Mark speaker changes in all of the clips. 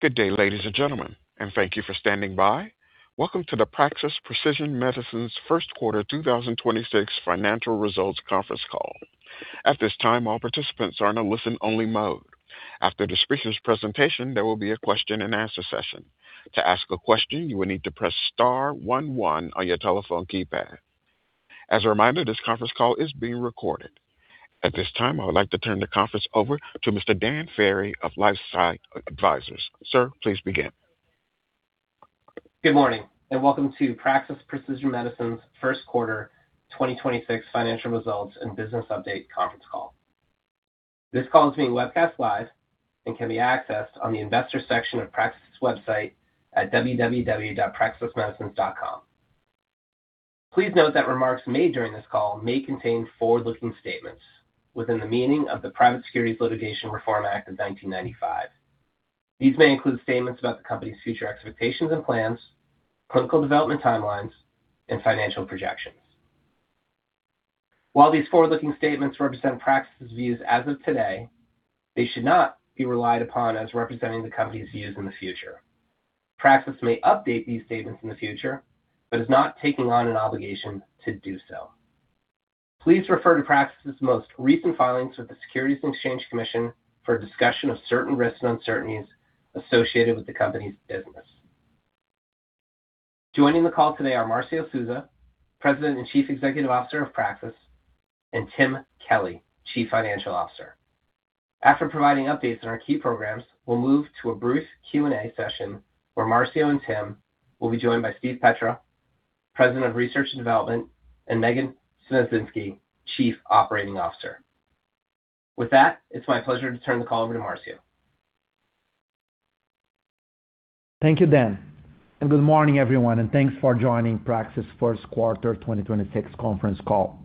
Speaker 1: Good day, ladies and gentlemen, and thank you for standing by. Welcome to the Praxis Precision Medicines First Quarter 2026 Financial Results Conference Call. At this time, all participants are in a listen-only mode. After the speaker's presentation, there will be a question-and-answer session. To ask a question, you will need to press star one one on your telephone keypad. As a reminder, this conference call is being recorded. At this time, I would like to turn the conference over to Mr. Dan Ferry of LifeSci Advisors. Sir, please begin.
Speaker 2: Good morning, welcome to Praxis Precision Medicines first quarter 2026 financial results and business update conference call. This call is being webcast live and can be accessed on the Investor section of Praxis' website at www.praxismedicines.com. Please note that remarks made during this call may contain forward-looking statements within the meaning of the Private Securities Litigation Reform Act of 1995. These may include statements about the company's future expectations and plans, clinical development timelines, and financial projections. While these forward-looking statements represent Praxis' views as of today, they should not be relied upon as representing the company's views in the future. Praxis may update these statements in the future but is not taking on an obligation to do so. Please refer to Praxis' most recent filings with the Securities and Exchange Commission for a discussion of certain risks and uncertainties associated with the company's business. Joining the call today are Marcio Souza, President and Chief Executive Officer of Praxis, and Tim Kelly, Chief Financial Officer. After providing updates on our key programs, we'll move to a brief Q&A session where Marcio and Tim will be joined by Steve Petrou, President of Research & Development, and Megan Sniecinski, Chief Operating Officer. With that, it's my pleasure to turn the call over to Marcio.
Speaker 3: Thank you, Dan, and good morning, everyone, and thanks for joining Praxis' first quarter 2026 conference call.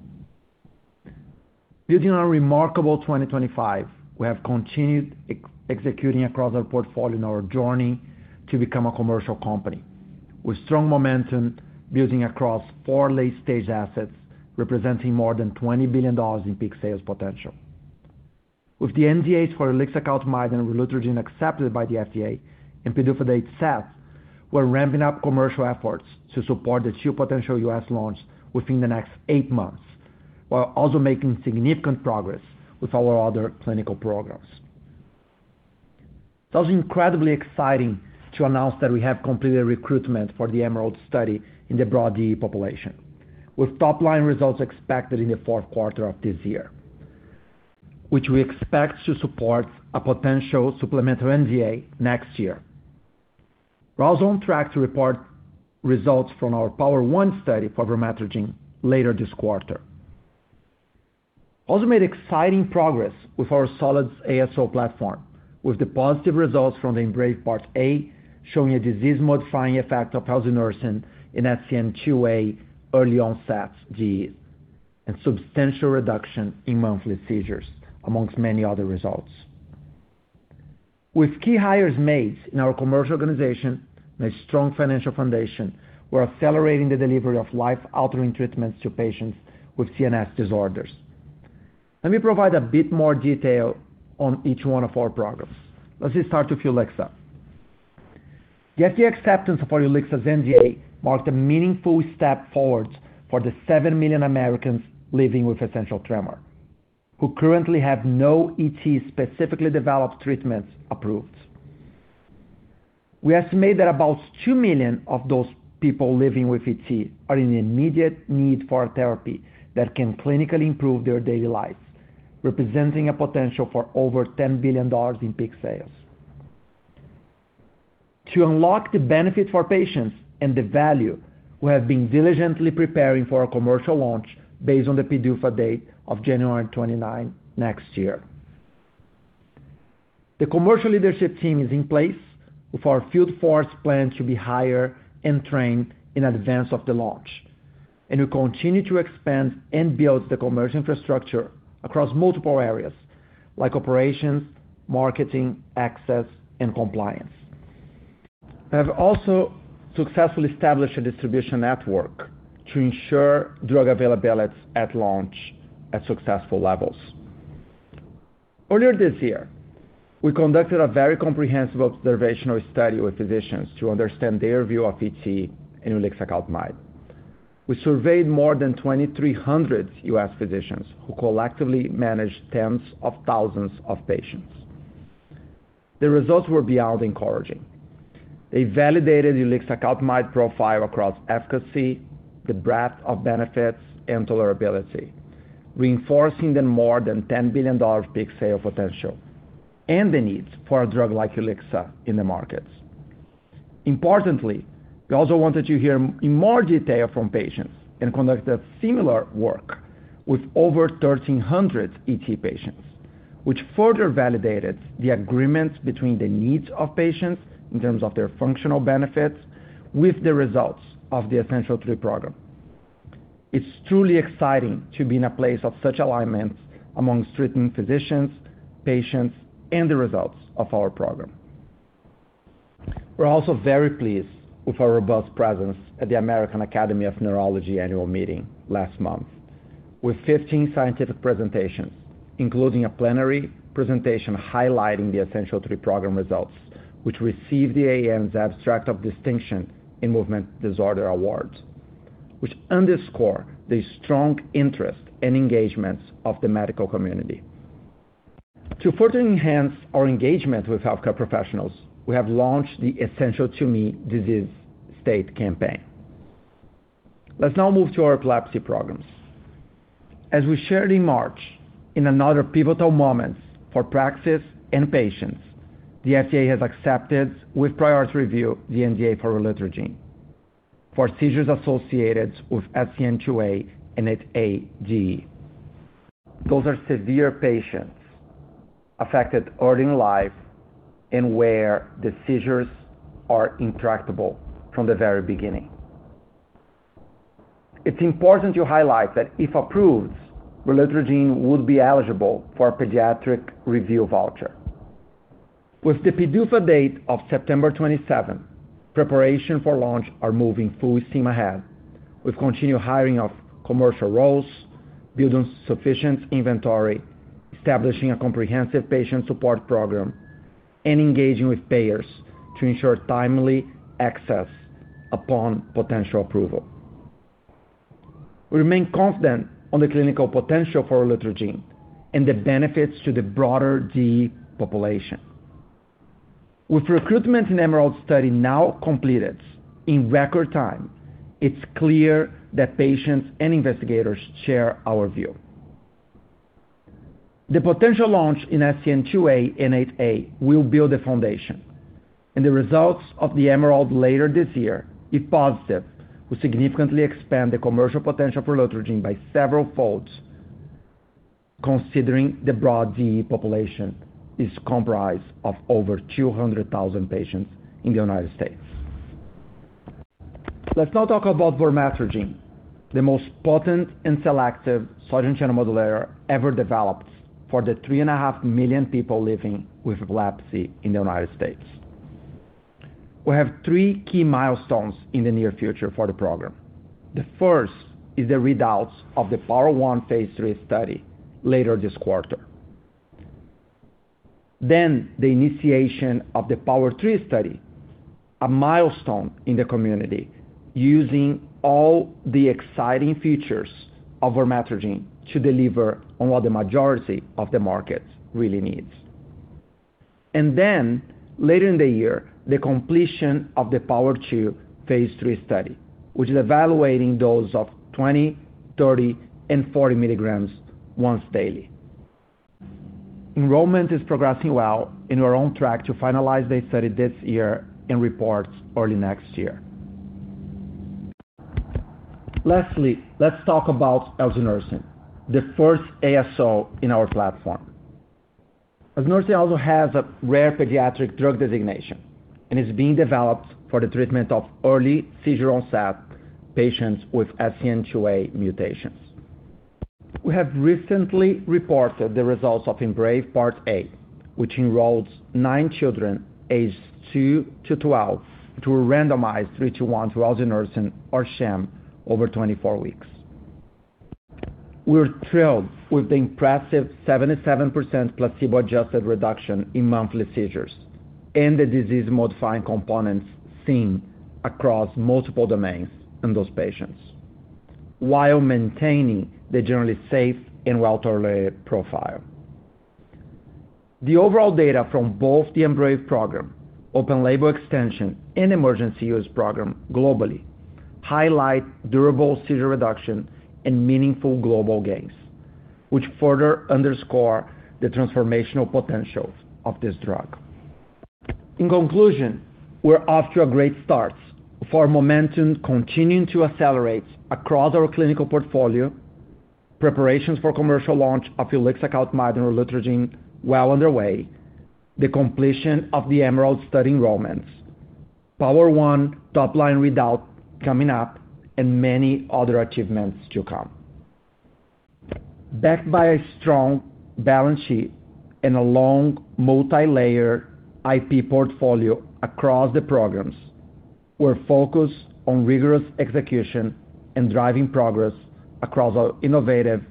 Speaker 3: Building on a remarkable 2025, we have continued executing across our portfolio in our journey to become a commercial company. With strong momentum building across four late-stage assets, representing more than $20 billion in peak sales potential. With the NDAs for ulixacaltamide and Relutrigine accepted by the FDA and PDUFA date set, we're ramping up commercial efforts to support the two potential U.S. launch within the next eight months, while also making significant progress with our other clinical programs. It was incredibly exciting to announce that we have completed recruitment for the EMERALD study in the broad DEE population, with top-line results expected in the fourth quarter of this year, which we expect to support a potential supplemental NDA next year. We're also on track to report results from our POWER1 study for vormatrigine later this quarter. Also made exciting progress with our Solidus ASO platform, with the positive results from the EMBRAVE Part A showing a disease-modifying effect of elsunersen in SCN2A early onset DEE and substantial reduction in monthly seizures, amongst many other results. With key hires made in our commercial organization and a strong financial foundation, we're accelerating the delivery of life-altering treatments to patients with CNS disorders. Let me provide a bit more detail on each one of our programs. Let's just start with ulixa. The FDA acceptance of ulixacaltamide's NDA marked a meaningful step forward for the 7 million Americans living with essential tremor, who currently have no ET specifically developed treatments approved. We estimate that about 2 million of those people living with ET are in immediate need for a therapy that can clinically improve their daily lives, representing a potential for over $10 billion in peak sales. To unlock the benefit for patients and the value, we have been diligently preparing for a commercial launch based on the PDUFA date of January 29th next year. The commercial leadership team is in place with our field force planned to be hired and trained in advance of the launch. We continue to expand and build the commercial infrastructure across multiple areas like operations, marketing, access, and compliance. We have also successfully established a distribution network to ensure drug availability at launch at successful levels. Earlier this year, we conducted a very comprehensive observational study with physicians to understand their view of ET and ulixacaltamide. We surveyed more than 2,300 U.S. physicians who collectively manage tens of thousands of patients. The results were beyond encouraging. They validated ulixacaltamide profile across efficacy, the breadth of benefits, and tolerability, reinforcing the more than $10 billion peak sale potential and the need for a drug like ulixa in the market. Importantly, we also wanted to hear in more detail from patients and conduct a similar work with over 1,300 ET patients, which further validated the agreement between the needs of patients in terms of their functional benefits with the results of the Essential3 program. It's truly exciting to be in a place of such alignment among treating physicians, patients, and the results of our program. We're also very pleased with our robust presence at the American Academy of Neurology annual meeting last month. With 15 scientific presentations, including a plenary presentation highlighting the Essential3 program results, which received the AAN's Abstract of Distinction in Movement Disorder Award, which underscore the strong interest and engagement of the medical community. To further enhance our engagement with healthcare professionals, we have launched the ESSENTIAL to me disease state campaign. Let's now move to our epilepsy programs. As we shared in March, in another pivotal moment for Praxis and patients, the FDA has accepted with priority review the NDA for Relutrigine for seizures associated with SCN2A and SCN8A-DEE. Those are severe patients affected early in life and where the seizures are intractable from the very beginning. It's important to highlight that if approved, Relutrigine would be eligible for a pediatric review voucher. With the PDUFA date of September 27th, preparation for launch are moving full steam ahead. We've continued hiring of commercial roles, building sufficient inventory, establishing a comprehensive patient support program, and engaging with payers to ensure timely access upon potential approval. We remain confident on the clinical potential for Relutrigine and the benefits to the broader DEE population. With recruitment in EMERALD study now completed in record time, it's clear that patients and investigators share our view. The potential launch in SCN2A/SCN8A will build a foundation. The results of the EMERALD later this year, if positive, will significantly expand the commercial potential for Relutrigine by several folds, considering the broad DEE population is comprised of over 200,000 patients in the U.S. Let's now talk about vormatrigine, the most potent and selective sodium channel modulator ever developed for the 3.5 million people living with epilepsy in the U.S. We have three key milestones in the near future for the program. The first is the readouts of the POWER1 phase III study later this quarter. The initiation of the POWER3 study, a milestone in the community, using all the exciting features of vormatrigine to deliver on what the majority of the market really needs. Later in the year, the completion of the POWER2 phase III study, which is evaluating dose of 20 mg, 30 mg, and 40 mg once daily. Enrollment is progressing well and we're on track to finalize the study this year and report early next year. Lastly, let's talk about elsunersen, the first ASO in our platform. Elsunersen also has a rare pediatric drug designation and is being developed for the treatment of early seizure onset patients with SCN2A mutations. We have recently reported the results of EMBRAVE Part A, which enrolled nine children aged 2 to 12 to randomize three to one to elsunersen or sham over 24 weeks. We're thrilled with the impressive 77% placebo-adjusted reduction in monthly seizures and the disease-modifying components seen across multiple domains in those patients while maintaining the generally safe and well-tolerated profile. The overall data from both the EMBRAVE program, open label extension, and emergency use program globally highlight durable seizure reduction and meaningful global gains, which further underscore the transformational potential of this drug. In conclusion, we're off to a great start for momentum continuing to accelerate across our clinical portfolio, preparations for commercial launch of ulixacaltamide and Relutrigine well underway, the completion of the EMERALD study enrollments, POWER1 top-line readout coming up, and many other achievements to come. Backed by a strong balance sheet and a long multi-layer IP portfolio across the programs, we're focused on rigorous execution and driving progress across our innovative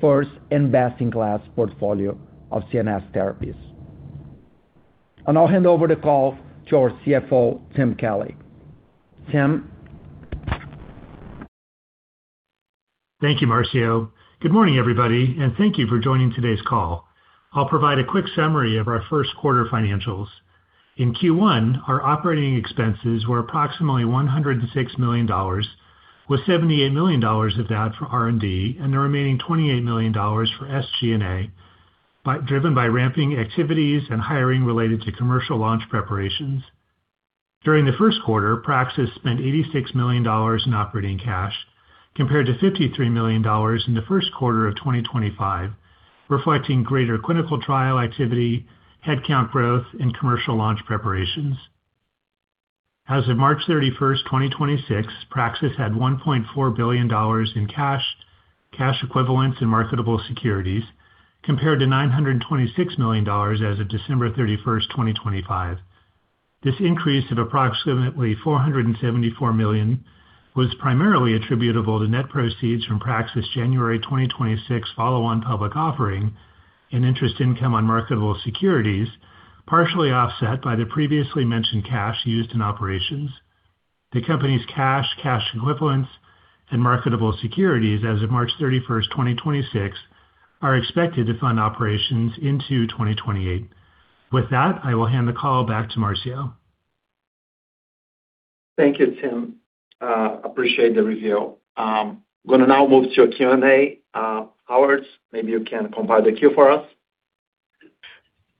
Speaker 3: first and best-in-class portfolio of CNS therapies. I'll now hand over the call to our CFO, Tim Kelly. Tim?
Speaker 4: Thank you, Marcio. Good morning, everybody, and thank you for joining today's call. I'll provide a quick summary of our first quarter financials. In Q1, our operating expenses were approximately $106 million, with $78 million of that for R&D and the remaining $28 million for SG&A, driven by ramping activities and hiring related to commercial launch preparations. During the first quarter, Praxis spent $86 million in operating cash compared to $53 million in the first quarter of 2025, reflecting greater clinical trial activity, headcount growth, and commercial launch preparations. As of March 31st, 2026, Praxis had $1.4 billion in cash equivalents, and marketable securities, compared to $926 million as of December 31st, 2025. This increase of approximately $474 million was primarily attributable to net proceeds from Praxis' January 2026 follow-on public offering and interest income on marketable securities, partially offset by the previously mentioned cash used in operations. The company's cash equivalents, and marketable securities as of March 31st, 2026 are expected to fund operations into 2028. With that, I will hand the call back to Marcio.
Speaker 3: Thank you, Tim. Appreciate the review. Going to now move to a Q&A. Howard, maybe you can compile the queue for us.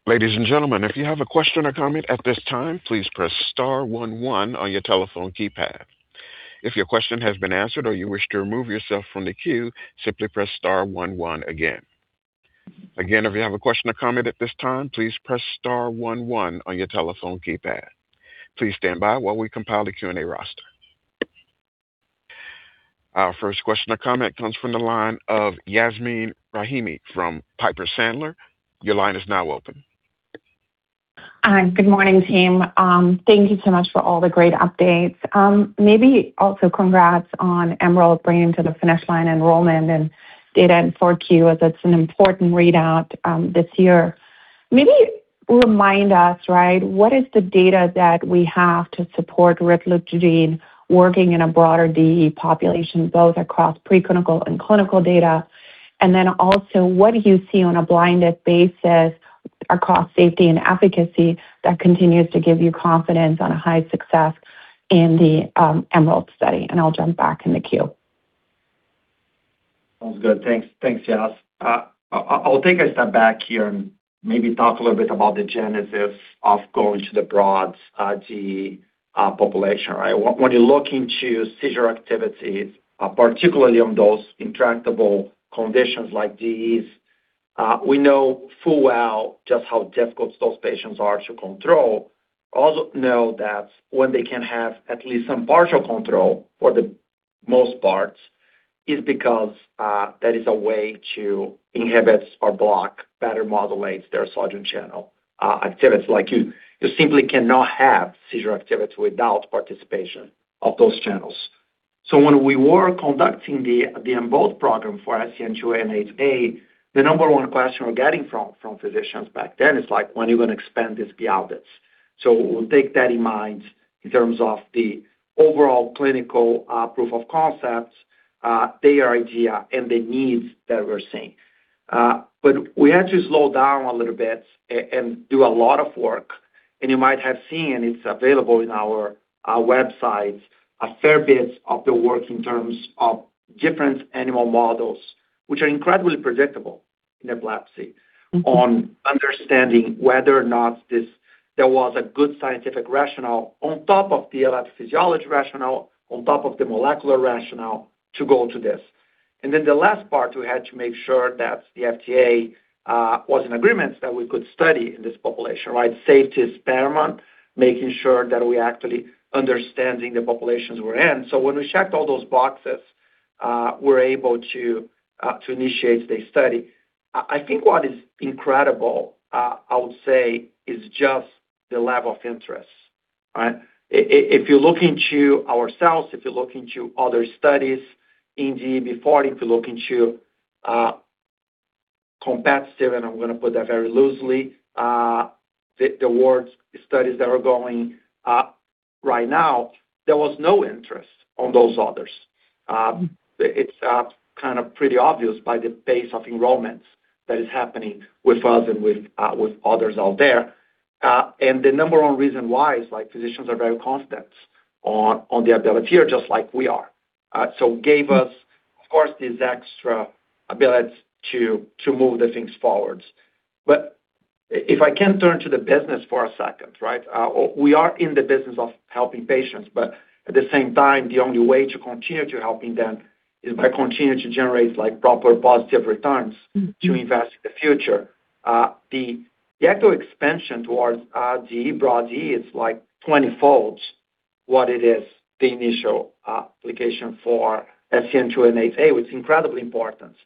Speaker 1: Ladies and gentlemen, if you have a question or comment at this time, please press star one one on your telephone keypad. If your question has been answered or you wish to remove yourself from the queue, simply press star one one again. Again, if you have a question or comment at this time, please press star one one on your telephone keypad. Please stand by while we compile the Q&A roster. Our first question or comment comes from the line of Yasmeen Rahimi from Piper Sandler. Your line is now open.
Speaker 5: Good morning, team. Thank you so much for all the great updates. Maybe also congrats on EMERALD bringing to the finish line enrollment and data in 4Q, as it's an important readout this year. Maybe remind us, right, what is the data that we have to support Relutrigine working in a broader DEE population, both across preclinical and clinical data? Then also, what do you see on a blinded basis across safety and efficacy that continues to give you confidence on a high success in the EMERALD study? I'll jump back in the queue.
Speaker 3: Sounds good. Thanks. Thanks, Yas. I'll take a step back here and maybe talk a little bit about the genesis of going to the broad DEE population, right? When you look into seizure activities, particularly on those intractable conditions like DEEs, we know full well just how difficult those patients are to control. Know that when they can have at least some partial control for the most part is because that is a way to inhibit or block, better modulate their sodium channel activities. Like, you simply cannot have seizure activity without participation of those channels. When we were conducting the EMBOLD program for SCN2A/SCN8A, the number one question we're getting from physicians back then is like, "When are you going to expand this beyond this?" We'll take that in mind in terms of the overall clinical proof of concept, their idea, and the needs that we're seeing. We had to slow down a little bit and do a lot of work. You might have seen, it's available in our websites, a fair bit of the work in terms of different animal models, which are incredibly predictable in epilepsy. On understanding whether or not there was a good scientific rationale on top of the epilepsy etiology rationale, on top of the molecular rationale to go to this. The last part, we had to make sure that the FDA was in agreement that we could study in this population, right? Safety is paramount, making sure that we're actually understanding the populations we're in. When we checked all those boxes, we're able to initiate the study. I think what is incredible, I would say, is just the level of interest, right? If you look into ourselves, if you look into other studies in DEE before, if you look into competitive, and I'm going to put that very loosely, the awards, the studies that are going right now, there was no interest on those others. It's kind of pretty obvious by the pace of enrollments that is happening with us and with others out there. The number one reason why is, like, physicians are very confident on the ability or just like we are. Gave us, of course, this extra ability to move the things forward. If I can turn to the business for a second, right? We are in the business of helping patients, but at the same time, the only way to continue to helping them is by continuing to generate, like, proper positive returns to invest in the future. The actual expansion towards DEE, broad DEE is, like, 20-fold what it is the initial application for SCN2A/SCN8A, which is incredibly important.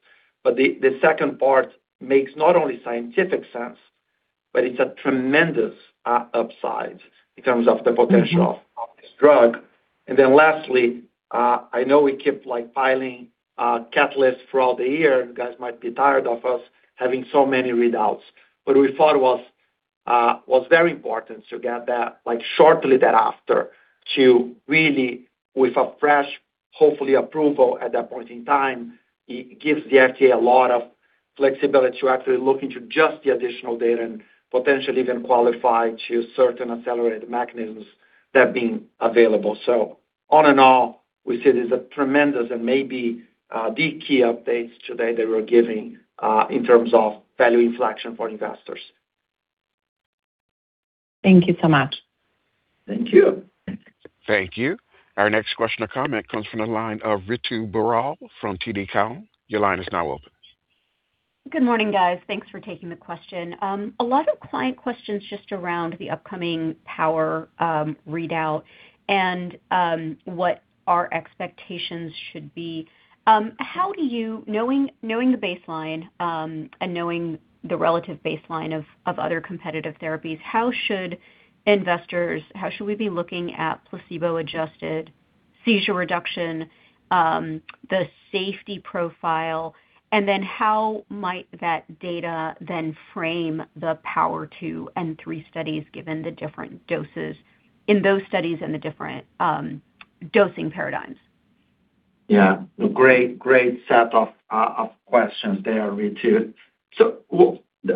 Speaker 3: The second part makes not only scientific sense, but it's a tremendous upside in terms of the potential of this drug. Lastly, I know we kept, like, piling catalysts throughout the year. You guys might be tired of us having so many readouts. What we thought was very important to get that, like, shortly thereafter to really, with a fresh, hopefully, approval at that point in time, it gives the FDA a lot of flexibility to actually look into just the additional data and potentially even qualify to certain accelerated mechanisms that have been available. All in all, we see it as a tremendous and maybe the key updates today that we're giving in terms of value inflection for investors.
Speaker 5: Thank you so much.
Speaker 3: Thank you.
Speaker 1: Thank you. Our next question or comment comes from the line of Ritu Baral from TD Cowen. Your line is now open.
Speaker 6: Good morning, guys. Thanks for taking the question. A lot of client questions just around the upcoming POWER readout and what our expectations should be. Knowing the baseline and knowing the relative baseline of other competitive therapies, how should we be looking at placebo-adjusted seizure reduction, the safety profile, and then how might that data then frame the POWER2 and POWER3 studies, given the different doses in those studies and the different dosing paradigms?
Speaker 3: Yeah. Great set of questions there, Ritu.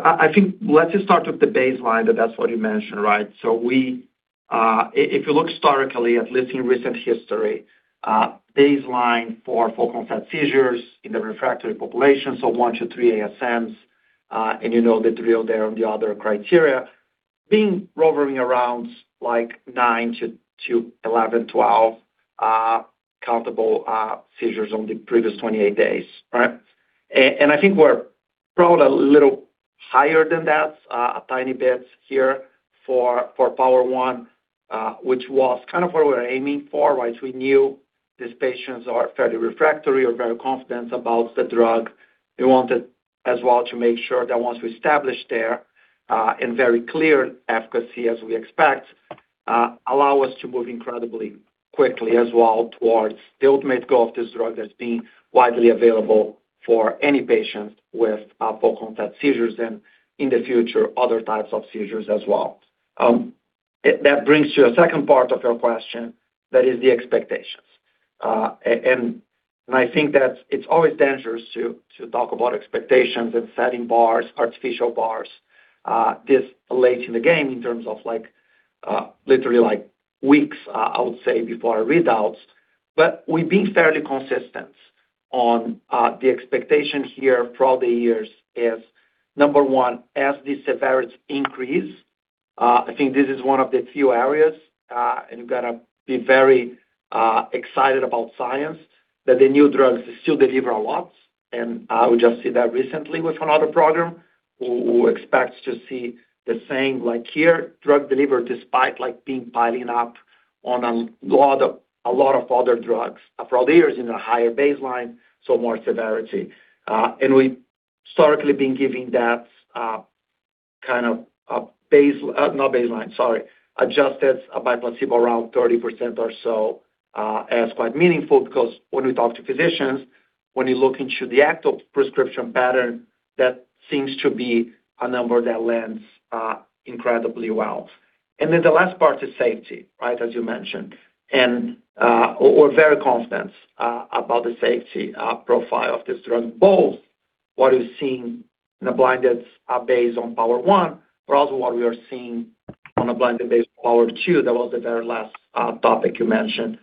Speaker 3: I think let's just start with the baseline, that's what you mentioned, right? We, if you look historically, at least in recent history, baseline for focal seizures in the refractory population, 1-3 ASMs, and you know the drill there on the other criteria. Being hovering around like 9 to 11, 12 countable seizures on the previous 28 days, right? I think we're probably a little higher than that, a tiny bit here for POWER1, which was kind of what we're aiming for, right? We knew these patients are fairly refractory. We're very confident about the drug. We wanted as well to make sure that once we establish there, and very clear efficacy as we expect, allow us to move incredibly quickly as well towards the ultimate goal of this drug as being widely available for any patient with focal seizures and, in the future, other types of seizures as well. That brings to a second part of your question, that is the expectations. I think that it's always dangerous to talk about expectations and setting bars, artificial bars, this late in the game in terms of like, literally like weeks, I would say before our readouts. We've been fairly consistent on the expectation here throughout the years is, number one, as the severities increase, I think this is one of the few areas, and you've got to be very excited about science, that the new drugs still deliver a lot. We just see that recently with another program. We expect to see the same like here, drug delivered despite like being piling up on a lot of other drugs for all the years in a higher baseline, so more severity. We've historically been giving that kind of a baseline, not baseline, sorry, adjusted by placebo around 30% or so, as quite meaningful because when we talk to physicians, when you look into the actual prescription pattern, that seems to be a number that lands incredibly well. The last part is safety, right? We're very confident about the safety profile of this drug, both what is seen in a blinded base on POWER1, but also what we are seeing on a blinded base POWER2. That was the very last topic you mentioned.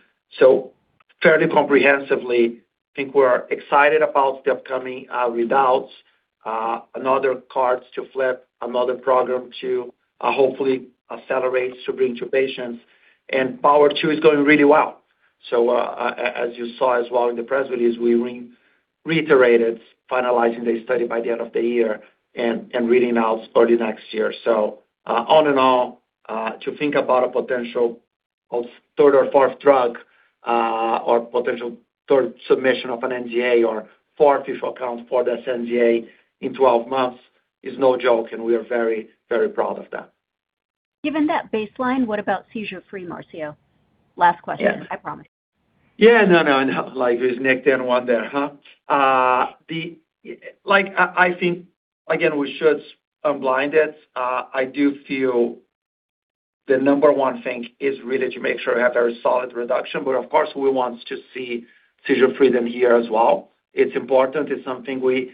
Speaker 3: Fairly comprehensively, I think we're excited about the upcoming readouts. Another cards to flip, another program to hopefully accelerate to bring to patients. POWER2 is doing really well. As you saw as well in the press release, we reiterated finalizing the study by the end of the year and reading out early next year. All in all, to think about a potential of third or fourth drug, or potential third submission of an NDA or four official accounts for the NDA in 12 months is no joke, and we are very, very proud of that.
Speaker 6: Given that baseline, what about seizure-free, Marcio? Last question.
Speaker 3: Yes.
Speaker 6: I promise.
Speaker 3: Yeah. No, no. Like there's neck then one there, huh? Like, I think, again, we should unblind it. I do feel the number one thing is really to make sure we have very solid reduction, but of course, we want to see seizure freedom here as well. It's important. It's something we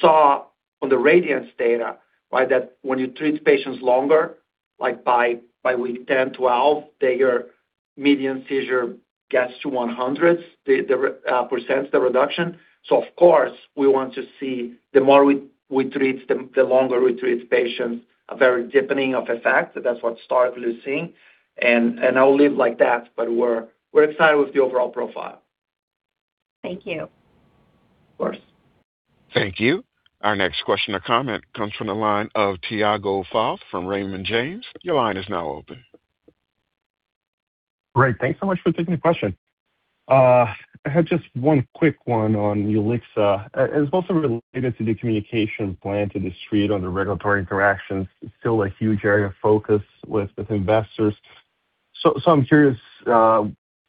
Speaker 3: saw on the RADIANT data, right? That when you treat patients longer, like by week 10, 12, their median seizure gets to 100%, the reduction. Of course, we want to see the more we treat, the longer we treat patients, a very deepening of effect. That's what historically we're seeing. I'll leave it like that, but we're excited with the overall profile.
Speaker 6: Thank you.
Speaker 3: Of course.
Speaker 1: Thank you. Our next question or comment comes from the line of Tiago Fauth from Raymond James. Your line is now open.
Speaker 7: Great. Thanks so much for taking the question. I had just one quick one on ulixa. It's also related to the communication plan to the street on the regulatory interactions. It's still a huge area of focus with investors. I'm curious,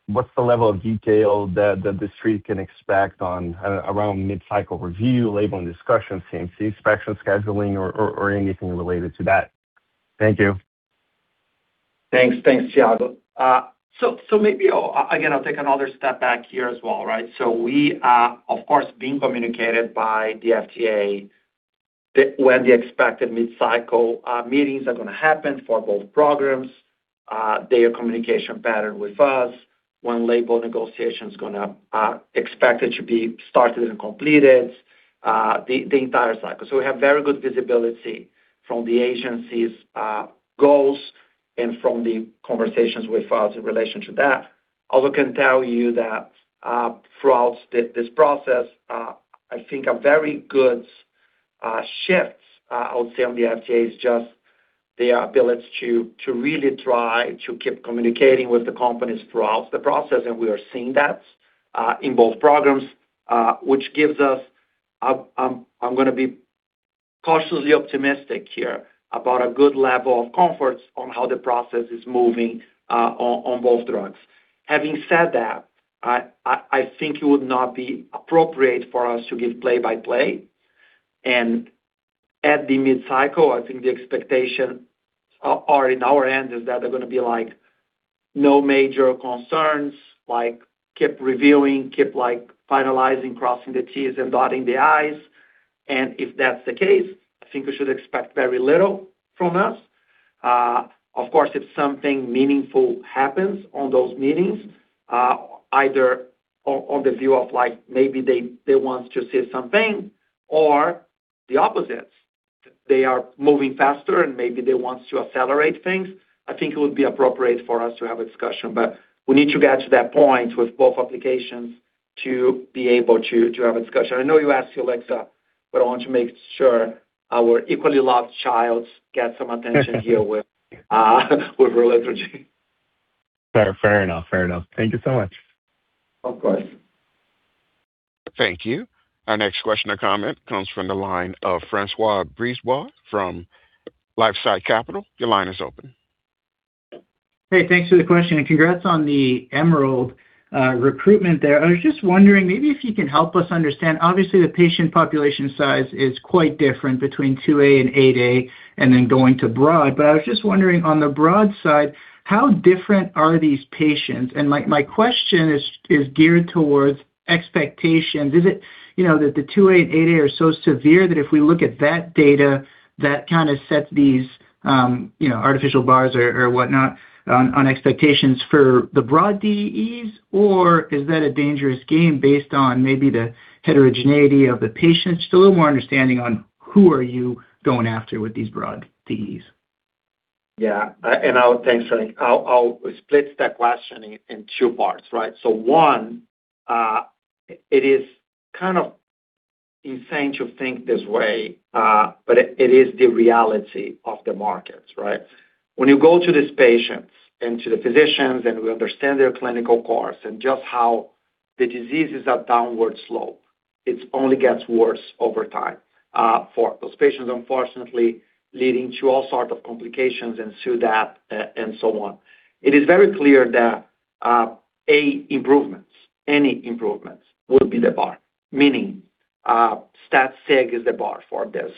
Speaker 7: what's the level of detail that the street can expect on around mid-cycle review, label and discussion, CNC, inspection scheduling, or anything related to that? Thank you.
Speaker 3: Thanks. Thanks, Tiago. Maybe I'll take another step back here as well, right? We are, of course, being communicated by the FDA when the expected mid-cycle meetings are gonna happen for both programs, their communication pattern with us, when label negotiation is gonna be started and completed, the entire cycle. We have very good visibility from the agency's goals and from the conversations with us in relation to that. Also can tell you that, throughout this process, I think a very good shift, I would say on the FDA is just the ability to really try to keep communicating with the companies throughout the process. We are seeing that in both programs, which gives us a cautiously optimistic here about a good level of comfort on how the process is moving on both drugs. Having said that, I think it would not be appropriate for us to give play by play. At the mid-cycle, I think the expectation or in our end is that they're gonna be like, no major concerns, like keep reviewing, keep like finalizing, crossing the T's and dotting the I's. If that's the case, I think we should expect very little from us. Of course, if something meaningful happens on those meetings, either on the view of like maybe they want to see something or the opposite, they are moving faster and maybe they want to accelerate things. I think it would be appropriate for us to have a discussion, but we need to get to that point with both applications to be able to have a discussion. I know you asked ulixa, but I want to make sure our equally loved child gets some attention here with Relutrigine.
Speaker 7: Fair enough. Fair enough. Thank you so much.
Speaker 3: Of course.
Speaker 1: Thank you. Our next question or comment comes from the line of Francois Brisebois from LifeSci Capital. Your line is open.
Speaker 8: Hey, thanks for the question and congrats on the EMERALD recruitment there. I was just wondering maybe if you can help us understand. Obviously, the patient population size is quite different between SCN2A and SCN8A and then going to broad. I was just wondering on the broad side, how different are these patients? My question is geared towards expectations. Is it, you know, that the SCN2A and SCN8A are so severe that if we look at that data that kinda sets these, you know, artificial bars or whatnot on expectations for the broad DEEs? Is that a dangerous game based on maybe the heterogeneity of the patients? Just a little more understanding on who are you going after with these broad DEEs.
Speaker 3: Yeah. Thanks. I'll split that question in two parts, right? One, it is kind of insane to think this way, but it is the reality of the market, right? When you go to these patients and to the physicians, we understand their clinical course and just how the disease is a downward slope. It only gets worse over time for those patients, unfortunately, leading to all sorts of complications and SUDEP and so on. It is very clear that A, improvements, any improvements would be the bar, meaning, stat sig is the bar for this,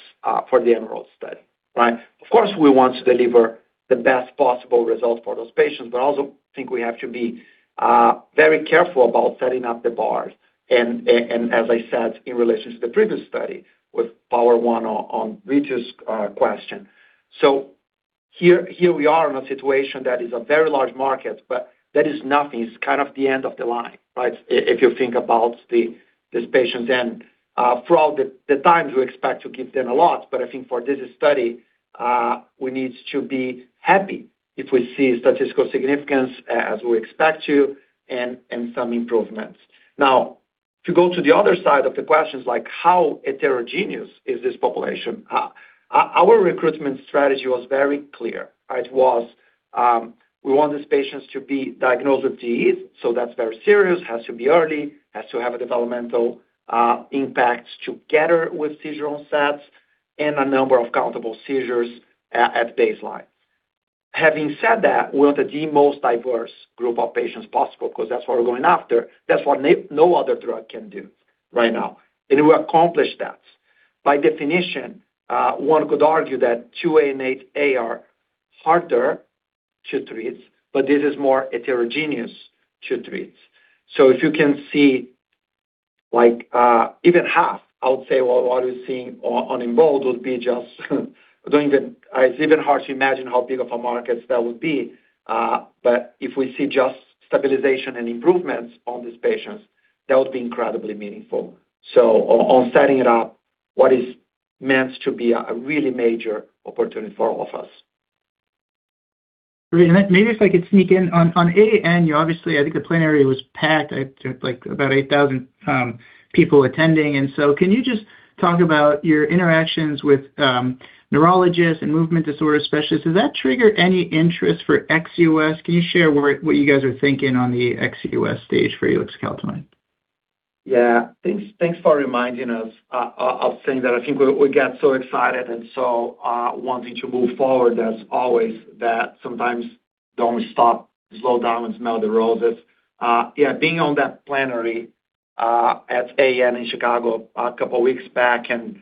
Speaker 3: for the EMERALD study, right? Of course, we want to deliver the best possible results for those patients, but I also think we have to be very careful about setting up the bars. As I said, in relation to the previous study with POWER1 on Ritu's question. Here we are in a situation that is a very large market, but that is nothing. It's kind of the end of the line, right? If you think about these patients and throughout the times we expect to give them a lot. I think for this study, we need to be happy if we see statistical significance as we expect to and some improvements. To go to the other side of the questions like how heterogeneous is this population? Our recruitment strategy was very clear. It was, we want these patients to be diagnosed with DEEs, so that's very serious. Has to be early, has to have a developmental impact together with seizure onsets and a number of countable seizures at baseline. Having said that, we want the most diverse group of patients possible because that's what we're going after. That's what no other drug can do right now, and we accomplished that. By definition, one could argue that SCN2A and SCN8A are harder to treat, this is more heterogeneous to treat. If you can see like, even half, I would say, what we're seeing on EMBOLD would be just doing. It's even hard to imagine how big of a market that would be. If we see just stabilization and improvements on these patients, that would be incredibly meaningful. On setting it up, what is meant to be a really major opportunity for all of us.
Speaker 8: Great. Maybe if I could sneak in on AAN, obviously I think the plenary was packed at like about 8,000 people attending. Can you just talk about your interactions with neurologists and movement disorder specialists? Does that trigger any interest for ex-U.S.? Can you share where, what you guys are thinking on the ex-U.S. stage for Relutrigine?
Speaker 3: Yeah. Thanks, thanks for reminding us. I'll say that I think we got so excited and so wanting to move forward as always that sometimes don't stop, slow down, and smell the roses. Yeah, being on that plenary at AAN in Chicago a couple weeks back and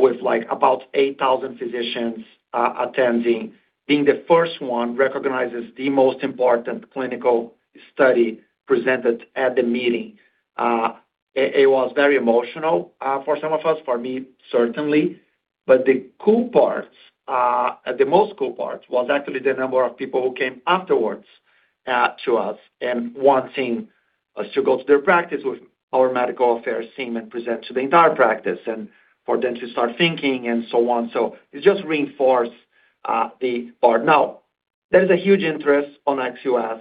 Speaker 3: with like about 8,000 physicians attending. Being the first one recognized as the most important clinical study presented at the meeting, it was very emotional for some of us, for me certainly. The cool part, the most cool part was actually the number of people who came afterwards to us and wanting us to go to their practice with our medical affairs team and present to the entire practice and for them to start thinking and so on. It just reinforced the part. There is a huge interest on ex-U.S.,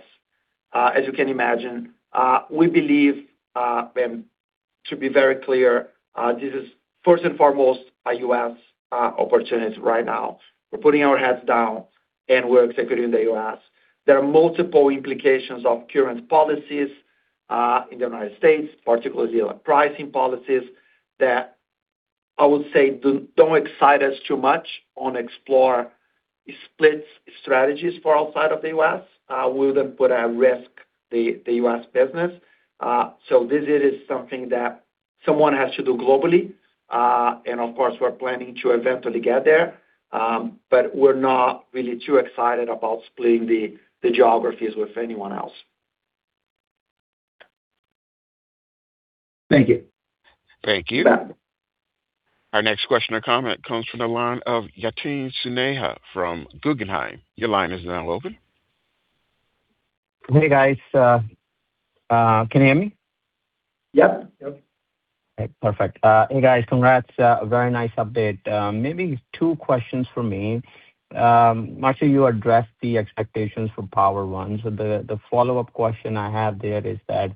Speaker 3: as you can imagine. We believe, and to be very clear, this is first and foremost a U.S. opportunity right now. We're putting our heads down, and we're executing in the U.S. There are multiple implications of current policies in the United States, particularly the pricing policies that I would say don't excite us too much on explore split strategies for outside of the U.S. We wouldn't put at risk the U.S. business. This is something that someone has to do globally. Of course, we're planning to eventually get there, but we're not really too excited about splitting the geographies with anyone else.
Speaker 8: Thank you.
Speaker 1: Thank you.
Speaker 3: Yeah.
Speaker 1: Our next question or comment comes from the line of Yatin Suneja from Guggenheim. Your line is now open.
Speaker 9: Hey, guys. Can you hear me?
Speaker 3: Yeah.
Speaker 4: Yep.
Speaker 9: Okay, perfect. Hey, guys. Congrats. Very nice update. Maybe two questions from me. Marcio, you addressed the expectations for POWER1. The follow-up question I have there is that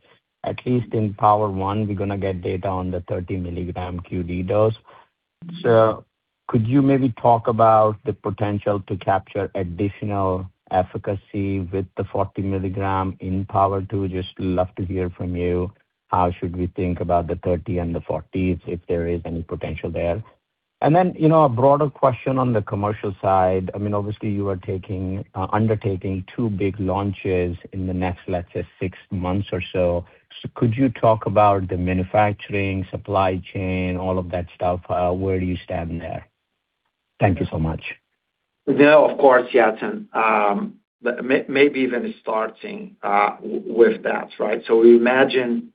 Speaker 9: at least in POWER1, we're gonna get data on the 30 mg QD dose. Could you maybe talk about the potential to capture additional efficacy with the 40 mg in POWER2? Just love to hear from you, how should we think about the 30 mg and the 40 mg, if there is any potential there. Then, you know, a broader question on the commercial side. I mean, obviously, you are undertaking two big launches in the next, let's say, six months or so. Could you talk about the manufacturing, supply chain, all of that stuff? Where do you stand there? Thank you so much.
Speaker 3: You know, of course, Yatin, maybe even starting with that, right? We imagine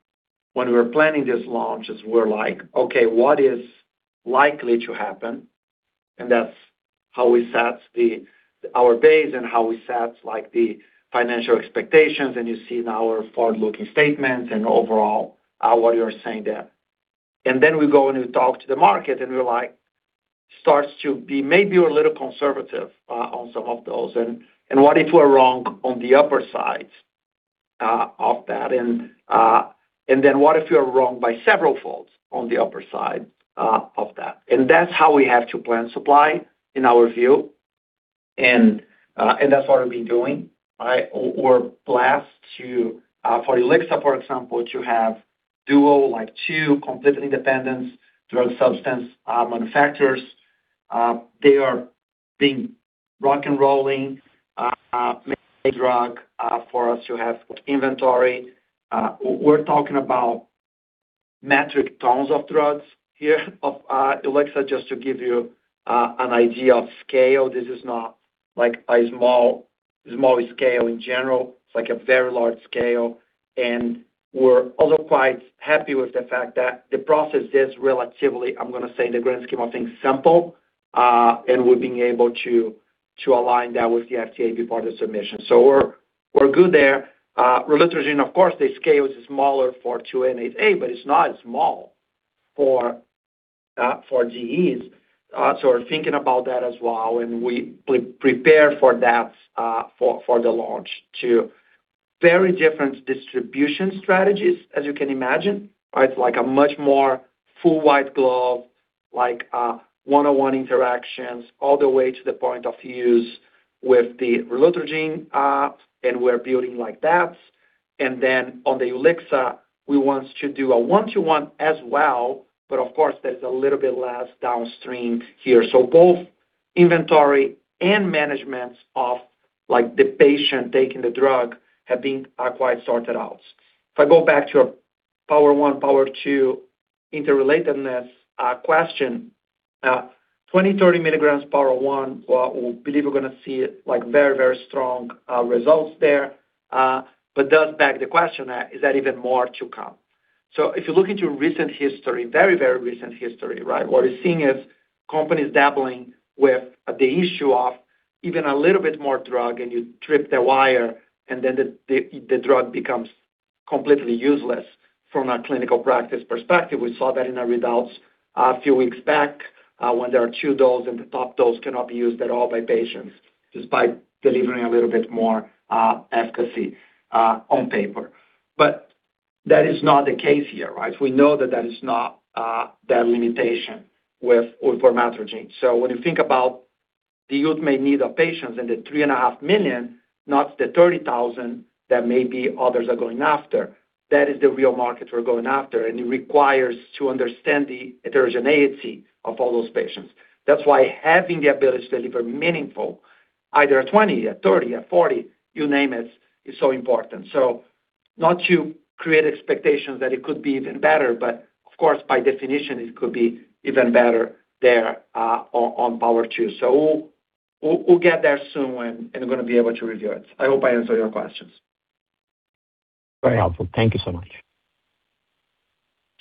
Speaker 3: when we're planning these launches, we're like, okay, what is likely to happen? That's how we set our base and how we set, like, the financial expectations, and you see in our forward-looking statements and overall, what you're saying there. We go and we talk to the market, and we're like, starts to be maybe a little conservative on some of those. What if we're wrong on the upper side of that? What if we are wrong by several folds on the upper side of that? That's how we have to plan supply in our view. That's what we've been doing, right? We're blessed to for ulixa, for example, to have dual, like, two completely independent drug substance manufacturers. They are being rock and rolling, making the drug for us to have inventory. We're talking about metric tons of drugs here of ulixa, just to give you an idea of scale. This is not like a small scale in general. It's like a very large scale. We're also quite happy with the fact that the process is relatively, I'm gonna say, in the grand scheme of things, simple, and we're being able to align that with the FDA before the submission. We're good there. Relutrigine, of course, the scale is smaller for SCN2A/SCN8A, but it's not small for DEEs. We're thinking about that as well, and we prepare for that for the launch to very different distribution strategies, as you can imagine. Right? Like a much more full white glove, like one-on-one interactions all the way to the point of use with the Relutrigine, and we're building like that. On the ulixa, we want to do a one-to-one as well, of course, there's a little bit less downstream here. Both inventory and management of, like, the patient taking the drug have been quite sorted out. If I go back to your POWER1, POWER2 interrelatedness question. 20 mg, 30 mg POWER1, well, we believe we're gonna see, like, very, very strong results there. Does beg the question, is there even more to come? If you look into recent history, very, very recent history. What we're seeing is companies dabbling with the issue of even a little bit more drug, and you trip the wire, and then the, the drug becomes completely useless from a clinical practice perspective. We saw that in our results a few weeks back, when there are two dose, and the top dose cannot be used at all by patients, despite delivering a little bit more efficacy on paper. That is not the case here. We know that that is not the limitation with vormatrigine. When you think about the unmet need of patients and the $3.5 million, not the $30,000 that maybe others are going after, that is the real market we're going after. It requires to understand the heterogeneity of all those patients. That's why having the ability to deliver meaningful, either a 20, a 30, a 40, you name it, is so important. Not to create expectations that it could be even better, but of course, by definition, it could be even better there on POWER2. We'll get there soon and we're gonna be able to review it. I hope I answered your questions.
Speaker 9: Very helpful. Thank you so much.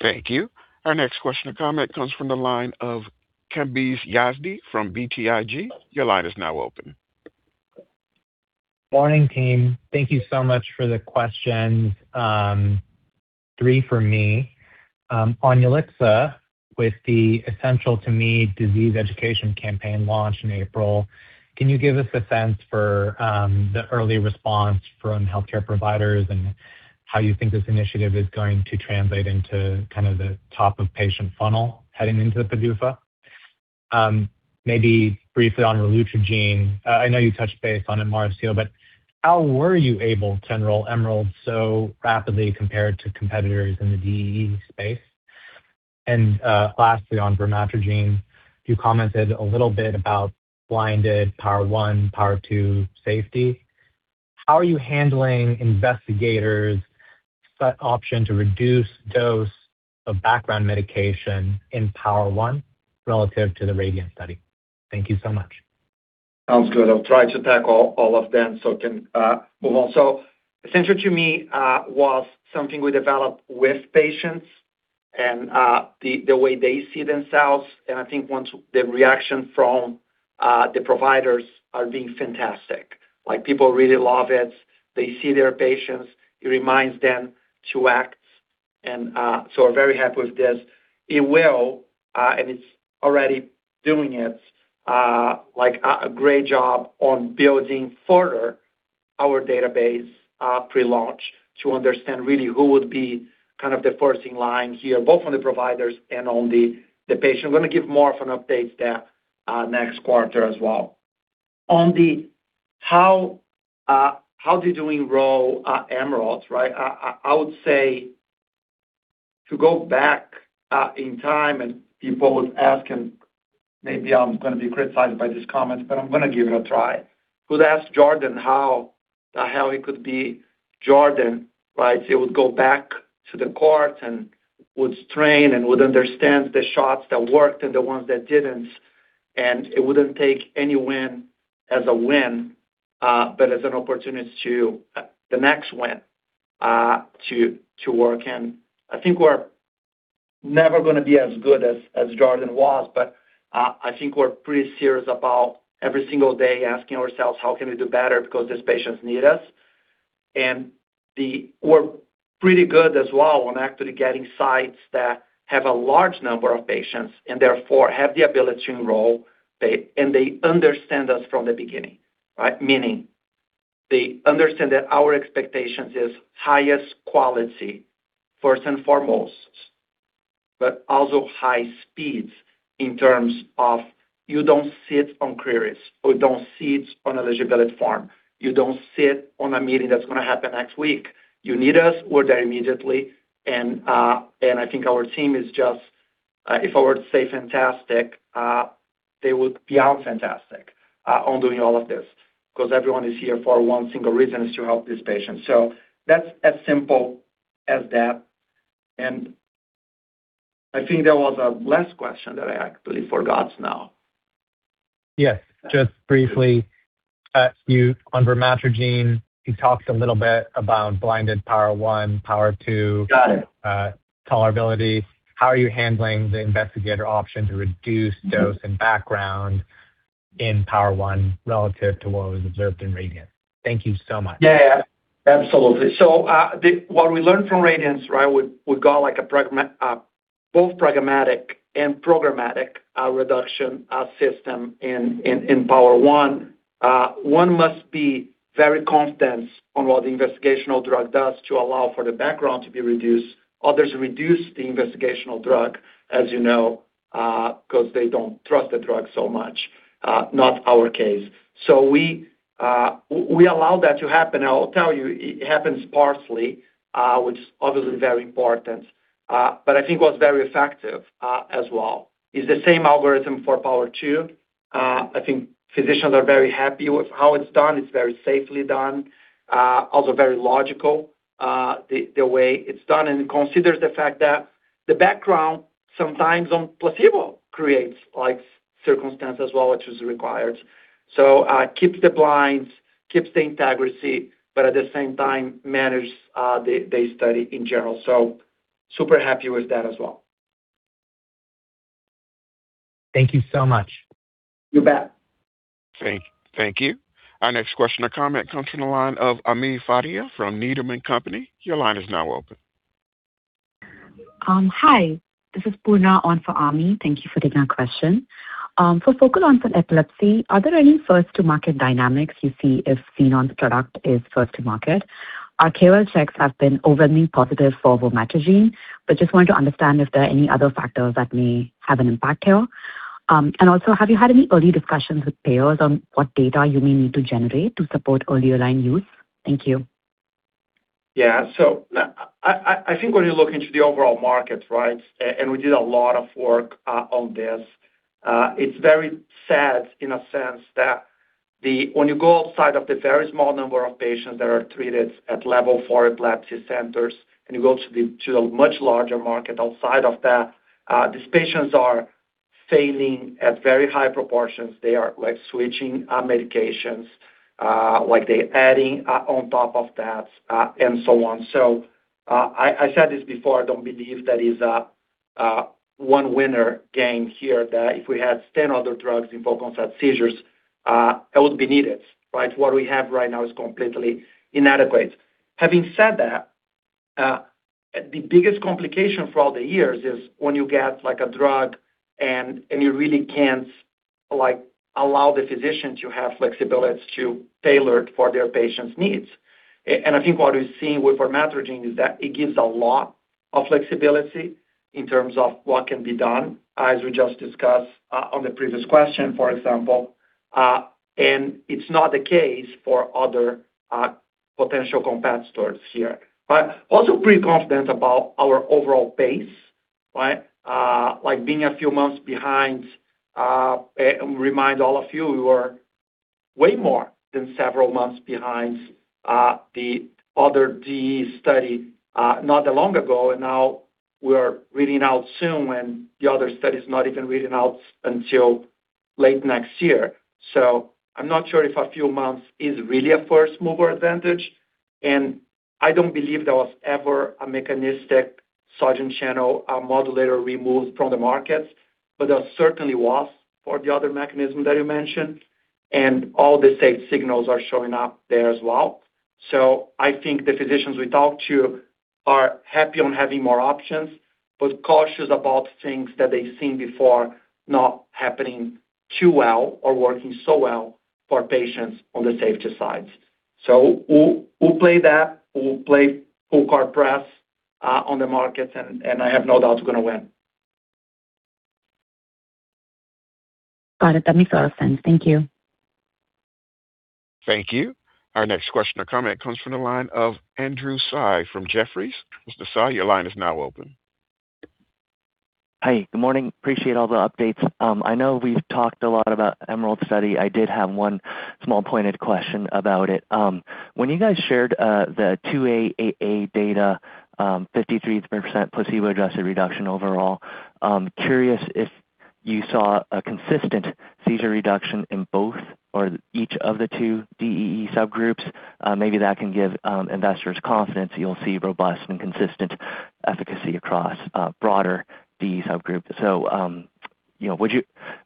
Speaker 1: Thank you. Our next question or comment comes from the line of Kambiz Yazdi from BTIG. Your line is now open.
Speaker 10: Morning, team. Thank you so much for the questions. Three from me. On ulixa, with the ESSENTIAL to me disease education campaign launch in April, can you give us a sense for the early response from healthcare providers and how you think this initiative is going to translate into kind of the top-of-patient funnel heading into the PDUFA? Maybe briefly on Relutrigine. I know you touched base on MRF seal, but how were you able to enroll EMERALD so rapidly compared to competitors in the DEE space? Lastly, on vormatrigine, you commented a little bit about blinded POWER1, POWER2 safety. How are you handling investigators' set option to reduce dose of background medication in POWER1 relative to the RADIANT study? Thank you so much.
Speaker 3: Sounds good. I'll try to tackle all of them, so I can move on. ESSENTIAL to me was something we developed with patients and the way they see themselves. I think once the reaction from the providers are being fantastic. Like, people really love it. They see their patients, it reminds them to act. We're very happy with this. It will, and it's already doing it, like a great job on building further our database pre-launch to understand really who would be kind of the first in line here, both on the providers and on the patient. I'm gonna give more of an update there next quarter as well. On the how did you enroll EMERALD, right? I would say to go back in time, and people would ask, and maybe I'm gonna be criticized by this comment, but I'm gonna give it a try. Who'd ask Jordan how the hell he could be Jordan, right? He would go back to the court and would train and would understand the shots that worked and the ones that didn't. He wouldn't take any win as a win, but as an opportunity to the next win to work. I think we're never gonna be as good as Jordan was, but I think we're pretty serious about every single day asking ourselves how can we do better because these patients need us. We're pretty good as well on actually getting sites that have a large number of patients and therefore have the ability to enroll, and they understand us from the beginning, right? Meaning they understand that our expectations is highest quality first and foremost, but also high speeds in terms of you don't sit on queries. We don't sit on eligibility form. You don't sit on a meeting that's gonna happen next week. You need us, we're there immediately. I think our team is just, if I were to say fantastic, they would be out fantastic on doing all of this 'cause everyone is here for one single reason, is to help this patient. That's as simple as that. I think there was a last question that I actually forgot now.
Speaker 10: Yes. Just briefly, on vormatrigine, you talked a little bit about blinded POWER1, POWER2-
Speaker 3: Got it.
Speaker 10: tolerability. How are you handling the investigator option to reduce dose and background in POWER1 relative to what was observed in RADIANT? Thank you so much.
Speaker 3: Yeah. Yeah. Absolutely. What we learned from RADIANT, right, would go like both pragmatic and programmatic reduction system in POWER1. One must be very confident on what the investigational drug does to allow for the background to be reduced. Others reduce the investigational drug, as you know, because they don't trust the drug so much. Not our case. We allow that to happen. I'll tell you, it happens sparsely, which is obviously very important, but I think was very effective as well. It's the same algorithm for POWER2. I think physicians are very happy with how it's done. It's very safely done. Also very logical, the way it's done. It considers the fact that the background sometimes on placebo creates like circumstance as well, which is required. Keeps the blinds, keeps the integrity, but at the same time manages the study in general. Super happy with that as well.
Speaker 10: Thank you so much.
Speaker 3: You bet.
Speaker 1: Thank you. Our next question or comment comes from the line of Ami Fadia from Needham & Company. Your line is now open.
Speaker 11: Hi. This is Poorna on for Ami. Thank you for taking our question. For focal onset epilepsy, are there any first to market dynamics you see if Xenon's product is first to market? Our KOL checks have been overly positive for vormatrigine, just want to understand if there are any other factors that may have an impact here. Also, have you had any early discussions with payers on what data you may need to generate to support early aligned use? Thank you.
Speaker 3: I think when you look into the overall market, right, and we did a lot of work on this, it's very sad in a sense that when you go outside of the very small number of patients that are treated at level four epilepsy centers, and you go to a much larger market outside of that, these patients are failing at very high proportions. They are like switching medications, like they're adding on top of that, and so on. I said this before, I don't believe there is a one winner game here. If we had 10 other drugs in focal onset seizures, it would be needed, right? What we have right now is completely inadequate. Having said that, the biggest complication throughout the years is when you get like a drug and you really can't allow the physicians to have flexibility to tailor it for their patients' needs. I think what we're seeing with vormatrigine is that it gives a lot of flexibility in terms of what can be done, as we just discussed, on the previous question, for example. It's not the case for other, potential competitors here. Also pretty confident about our overall pace, right? Like being a few months behind, remind all of you, we were way more than several months behind, the other DEE study, not that long ago, and now we're reading out soon when the other study's not even reading out until late next year. I'm not sure if a few months is really a first mover advantage, and I don't believe there was ever a mechanistic sodium channel modulator removed from the markets. There certainly was for the other mechanism that you mentioned, and all the safe signals are showing up there as well. I think the physicians we talked to are happy on having more options, but cautious about things that they've seen before not happening too well or working so well for patients on the safety sides. We'll, we'll play that. We'll play full court press on the markets, and I have no doubt we're going to win.
Speaker 11: Got it. That makes a lot of sense. Thank you.
Speaker 1: Thank you. Our next question or comment comes from the line of Andrew Tsai from Jefferies. Mr. Tsai, your line is now open.
Speaker 12: Hi. Good morning. Appreciate all the updates. I know we've talked a lot about EMERALD study. I did have one small pointed question about it. When you guys shared the 2A/8A data, 53% placebo-adjusted reduction overall, curious if you saw a consistent seizure reduction in both or each of the two DEE subgroups. Maybe that can give investors confidence you'll see robust and consistent efficacy across a broader DEE subgroup.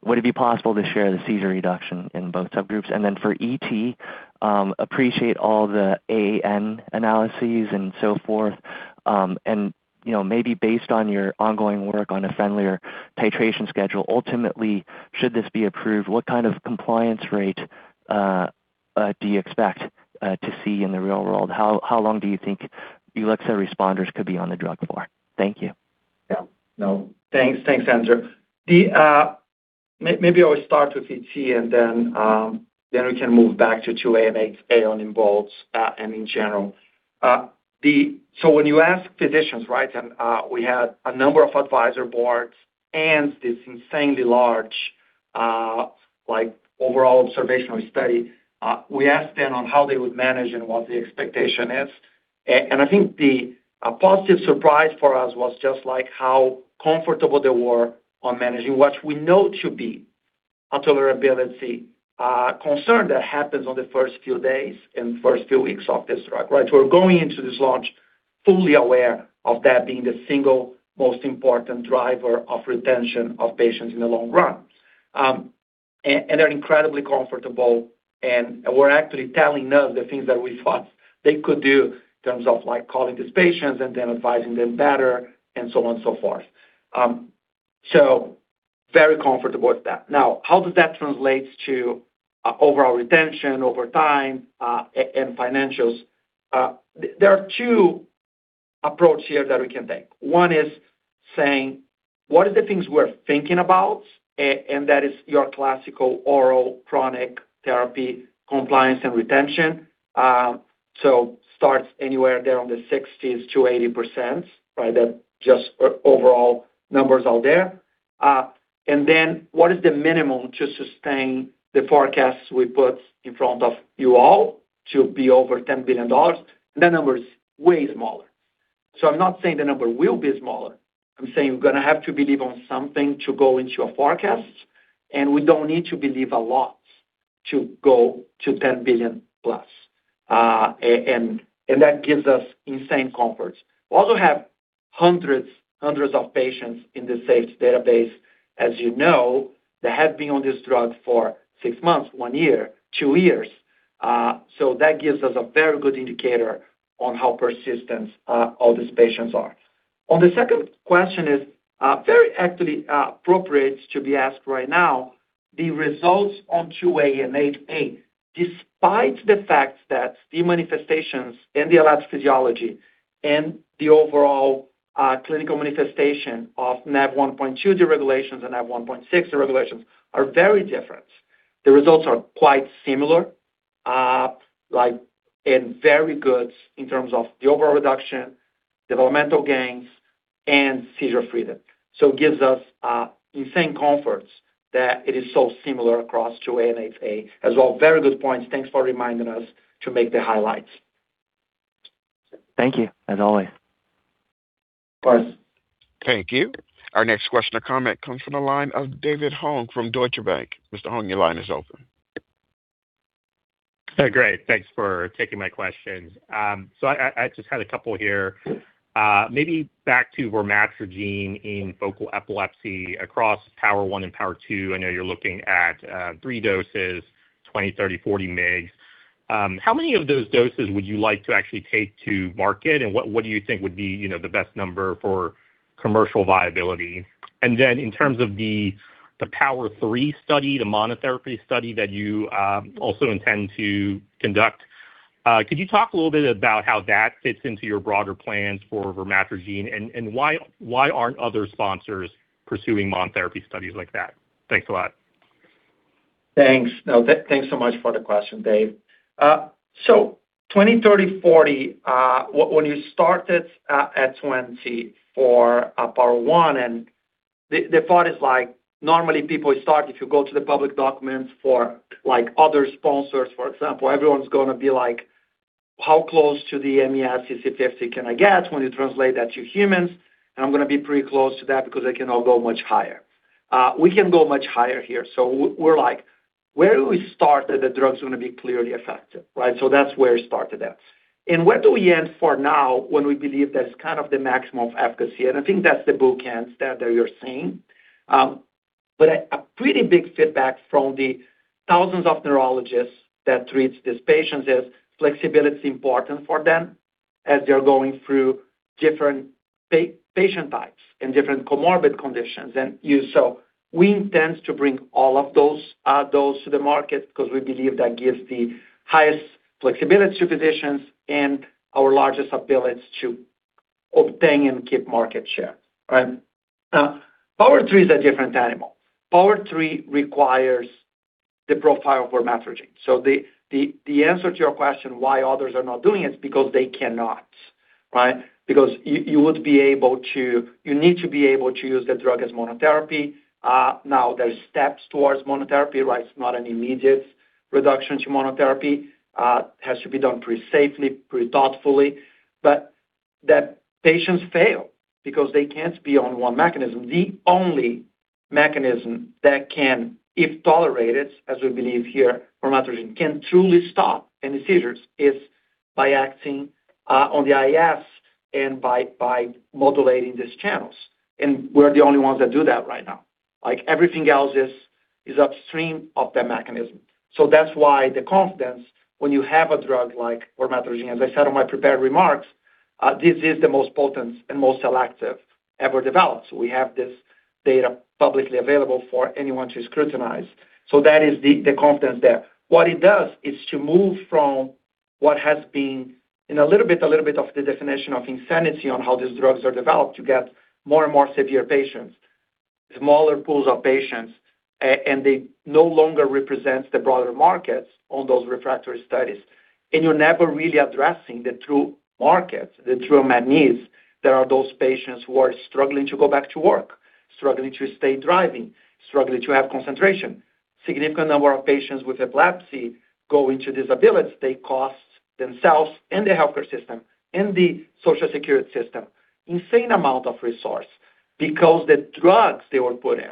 Speaker 12: Would it be possible to share the seizure reduction in both subgroups? For ET, appreciate all the AAN analyses and so forth. Maybe based on your ongoing work on a friendlier titration schedule, ultimately, should this be approved, what kind of compliance rate do you expect to see in the real world? How long do you think ulixa responders could be on the drug for? Thank you.
Speaker 3: Yeah. No. Thanks. Thanks, Andrew. Maybe I'll start with ET and then we can move back to 2A and 8A on EMBOLD and in general. When you ask physicians, right, and we had a number of advisor boards and this insanely large overall observational study, we asked them on how they would manage and what the expectation is. I think the positive surprise for us was just how comfortable they were on managing what we know to be a tolerability concern that happens on the first few days and first few weeks of this drug, right? We're going into this launch fully aware of that being the single most important driver of retention of patients in the long run. They're incredibly comfortable, and were actually telling us the things that we thought they could do in terms of, like, calling these patients and then advising them better and so on and so forth. Very comfortable with that. How does that translate to overall retention over time and financials? There are two approach here that we can take. One is saying, what are the things we're thinking about? That is your classical oral chronic therapy compliance and retention. Starts anywhere there on the 60%-80%, right? That just overall numbers out there. What is the minimum to sustain the forecasts we put in front of you all to be over $10 billion? That number is way smaller. I'm not saying the number will be smaller. I'm saying we're gonna have to believe on something to go into a forecast, and we don't need to believe a lot to go to $10 billion+. That gives us insane comfort. We also have hundreds of patients in the safety database, as you know, that have been on this drug for six months, one year, two years. That gives us a very good indicator on how persistent all these patients are. On the second question is very actually appropriate to be asked right now, the results on 2A and 8A. Despite the fact that the manifestations and the allied physiology and the overall clinical manifestation of NaV1.2 deregulations and NaV1.6 deregulations are very different, the results are quite similar, like, and very good in terms of the overall reduction, developmental gains, and seizure freedom. It gives us insane comfort that it is so similar across 2A and 8A as well. Very good points. Thanks for reminding us to make the highlights.
Speaker 12: Thank you, as always.
Speaker 3: Of course.
Speaker 1: Thank you. Our next question or comment comes from the line of David Hong from Deutsche Bank. Mr. Hong, your line is open.
Speaker 13: Great. Thanks for taking my questions. I just had a couple here. Maybe back to vormatrigine in focal epilepsy across POWER1 and POWER2. I know you're looking at, three doses, 20 mg, 30 mg, 40 mg. How many of those doses would you like to actually take to market? What do you think would be, you know, the best number for commercial viability. Then in terms of the POWER3 study, the monotherapy study that you also intend to conduct, could you talk a little bit about how that fits into your broader plans for vormatrigine? Why aren't other sponsors pursuing monotherapy studies like that? Thanks a lot.
Speaker 3: Thanks. Thanks so much for the question, David. 20 mg, 30 mg, 40 mg, when you started at 20 mg for POWER1, the thought is like, normally people start, if you go to the public documents for like other sponsors, for example, everyone's gonna be like, how close to the MES EC50 can I get when you translate that to humans? I'm gonna be pretty close to that because I cannot go much higher. We can go much higher here. We're like, where do we start that the drug's gonna be clearly effective, right? That's where it started at. Where do we end for now when we believe that's kind of the maximum of efficacy? I think that's the blue cans that you're seeing. A pretty big feedback from the thousands of neurologists that treat these patients is flexibility important for them as they're going through different patient types and different comorbid conditions. We intend to bring all of those to the market because we believe that gives the highest flexibility to physicians and our largest ability to obtain and keep market share, right? POWER3 is a different animal. POWER3 requires the profile for vormatrigine. The answer to your question, why others are not doing it, is because they cannot, right? You need to be able to use the drug as monotherapy. Now there's steps towards monotherapy, right? It's not an immediate reduction to monotherapy. It has to be done pretty safely, pretty thoughtfully. The patients fail because they can't be on one mechanism. The only mechanism that can, if tolerated, as we believe here for Relutrigine can truly stop any seizures, is by acting on the If and by modulating these channels. We're the only ones that do that right now. Like, everything else is upstream of that mechanism. That's why the confidence when you have a drug like Relutrigine, as I said in my prepared remarks, this is the most potent and most selective ever developed. We have this data publicly available for anyone to scrutinize. That is the confidence there. What it does is to move from what has been in a little bit, a little bit of the definition of insanity on how these drugs are developed to get more and more severe patients, smaller pools of patients, and they no longer represents the broader markets on those refractory studies. You're never really addressing the true market, the true needs. There are those patients who are struggling to go back to work, struggling to stay driving, struggling to have concentration. Significant number of patients with epilepsy go into disability. They cost themselves and the healthcare system and the Social Security System insane amount of resource because the drugs they were put in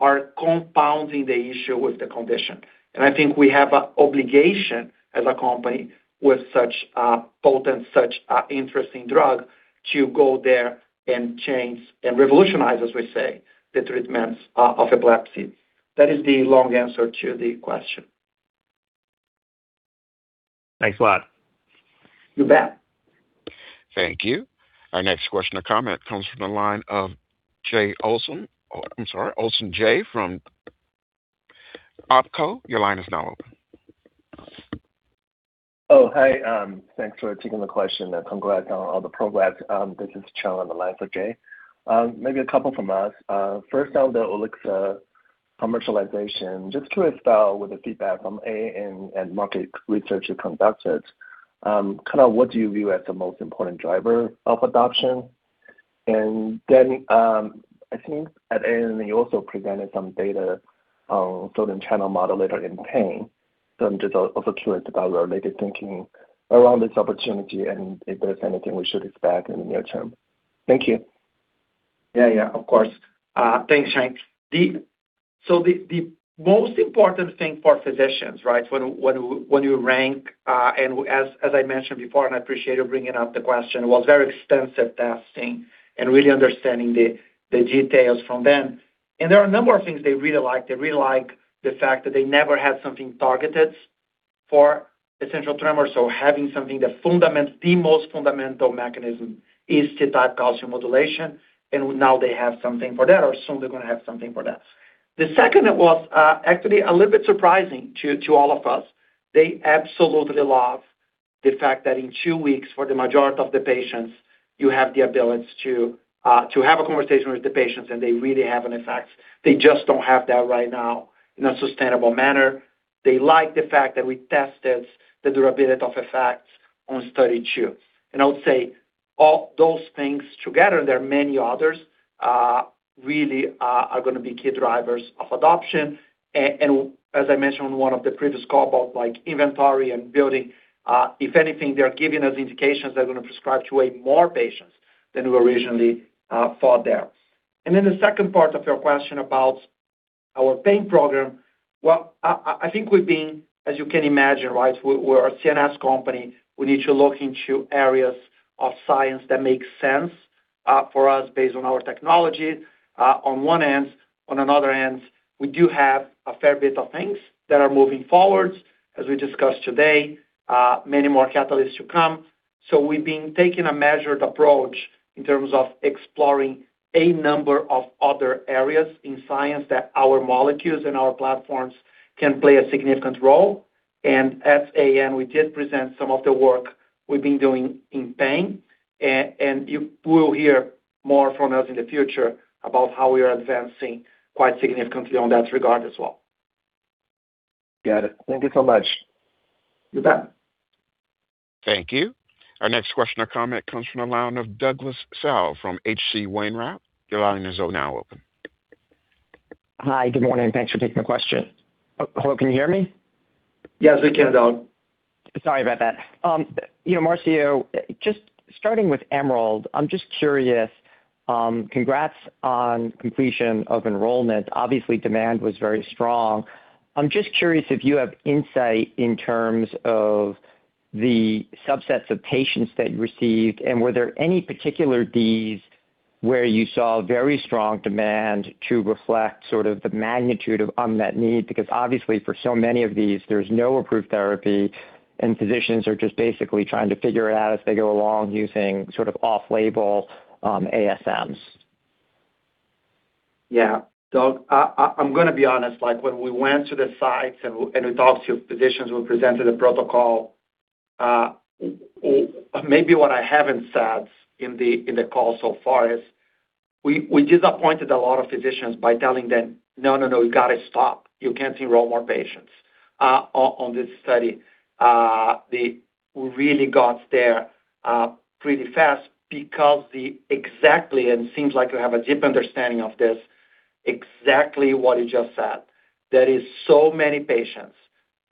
Speaker 3: are compounding the issue with the condition. I think we have an obligation as a company with such a potent, such an interesting drug to go there and change and revolutionize, as we say, the treatments of epilepsy. That is the long answer to the question.
Speaker 13: Thanks a lot.
Speaker 3: You bet.
Speaker 1: Thank you. Our next question or comment comes from the line of Jay Olson. Oh, I'm sorry, Olson Jay from OpCo. Your line is now open.
Speaker 14: Hi. Thanks for taking the question. Congrats on all the progress. This is Chang on the line for Jay. Maybe a couple from us. First on the ulixa commercialization, just curious about with the feedback from AAN and market research you conducted, kind of what do you view as the most important driver of adoption? I think at AAN, you also presented some data on sodium channel modulator in pain. I'm just also curious about related thinking around this opportunity and if there's anything we should expect in the near term. Thank you.
Speaker 3: Yeah, yeah, of course. Thanks, Chang. So the most important thing for physicians, right? When you rank, and as I mentioned before, and I appreciate you bringing up the question, was very extensive testing and really understanding the details from them. There are a number of things they really like. They really like the fact that they never had something targeted for essential tremor. Having something that the most fundamental mechanism is T-type calcium modulation, and now they have something for that, or soon they're gonna have something for that. The second was actually a little bit surprising to all of us. They absolutely love the fact that in two weeks, for the majority of the patients, you have the ability to have a conversation with the patients, and they really have an effect. They just don't have that right now in a sustainable manner. They like the fact that we tested the durability of effects on study two. I would say all those things together, there are many others, really, are gonna be key drivers of adoption. As I mentioned on one of the previous call about like inventory and building, if anything, they're giving us indications they're gonna prescribe to way more patients than we originally thought there. The second part of your question about our pain program. Well, As you can imagine, right, we're a CNS company. We need to look into areas of science that make sense for us based on our technology on one end. On another end, we do have a fair bit of things that are moving forward. As we discussed today, many more catalysts to come. We've been taking a measured approach in terms of exploring a number of other areas in science that our molecules and our platforms can play a significant role. At AAN, we did present some of the work we've been doing in pain. You will hear more from us in the future about how we are advancing quite significantly on that regard as well.
Speaker 14: Got it. Thank you so much.
Speaker 3: You bet.
Speaker 1: Thank you. Our next question or comment comes from the line of Douglas Tsao from H.C. Wainwright. Your line is now open.
Speaker 15: Hi. Good morning. Thanks for taking my question. Hello, can you hear me?
Speaker 3: Yes, we can, Doug.
Speaker 15: Sorry about that. You know, Marcio, just starting with EMERALD, I'm just curious, congrats on completion of enrollment. Obviously, demand was very strong. I'm just curious if you have insight in terms of the subsets of patients that you received, and were there any particular DEEs where you saw very strong demand to reflect sort of the magnitude of unmet need? Because obviously, for so many of these, there's no approved therapy, and physicians are just basically trying to figure it out as they go along using sort of off-label ASMs.
Speaker 3: Doug, I'm gonna be honest, like, when we went to the sites and we talked to physicians, we presented a protocol, maybe what I haven't said in the call so far is we disappointed a lot of physicians by telling them, "No, no, you gotta stop. You can't enroll more patients on this study." They really got there pretty fast because exactly, and it seems like you have a deep understanding of this, exactly what you just said. There is so many patients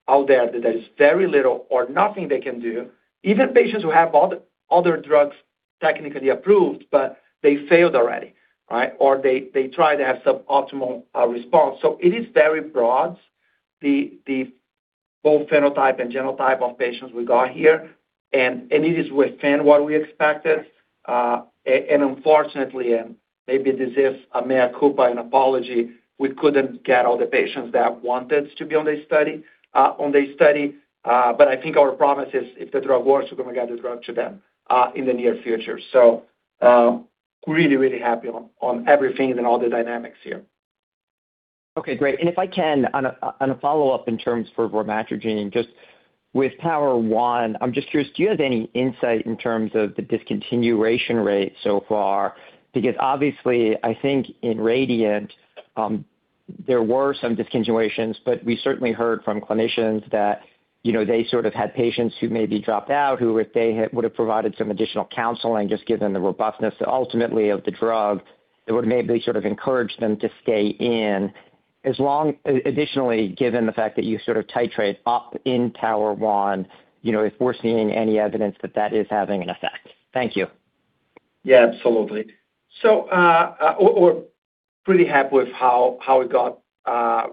Speaker 3: out there that there is very little or nothing they can do. Even patients who have other drugs technically approved, but they failed already, right? They try to have suboptimal response. It is very broad, the both phenotype and genotype of patients we got here, and it is within what we expected. Unfortunately, and maybe this is a mea culpa, an apology, we couldn't get all the patients that wanted to be on this study. I think our promise is if the drug works, we're gonna get the drug to them in the near future. Really happy on everything and all the dynamics here.
Speaker 15: Okay, great. If I can, on a follow-up in terms for vormatrigine, just with POWER1, I'm just curious, do you have any insight in terms of the discontinuation rate so far? Because obviously, I think in RADIANT, there were some discontinuations, but we certainly heard from clinicians that, you know, they sort of had patients who maybe dropped out, who if they would have provided some additional counseling, just given the robustness ultimately of the drug, that would maybe sort of encouraged them to stay in. Additionally, given the fact that you sort of titrate up in POWER1, you know, if we're seeing any evidence that that is having an effect. Thank you.
Speaker 3: Yeah, absolutely. We're pretty happy with how it got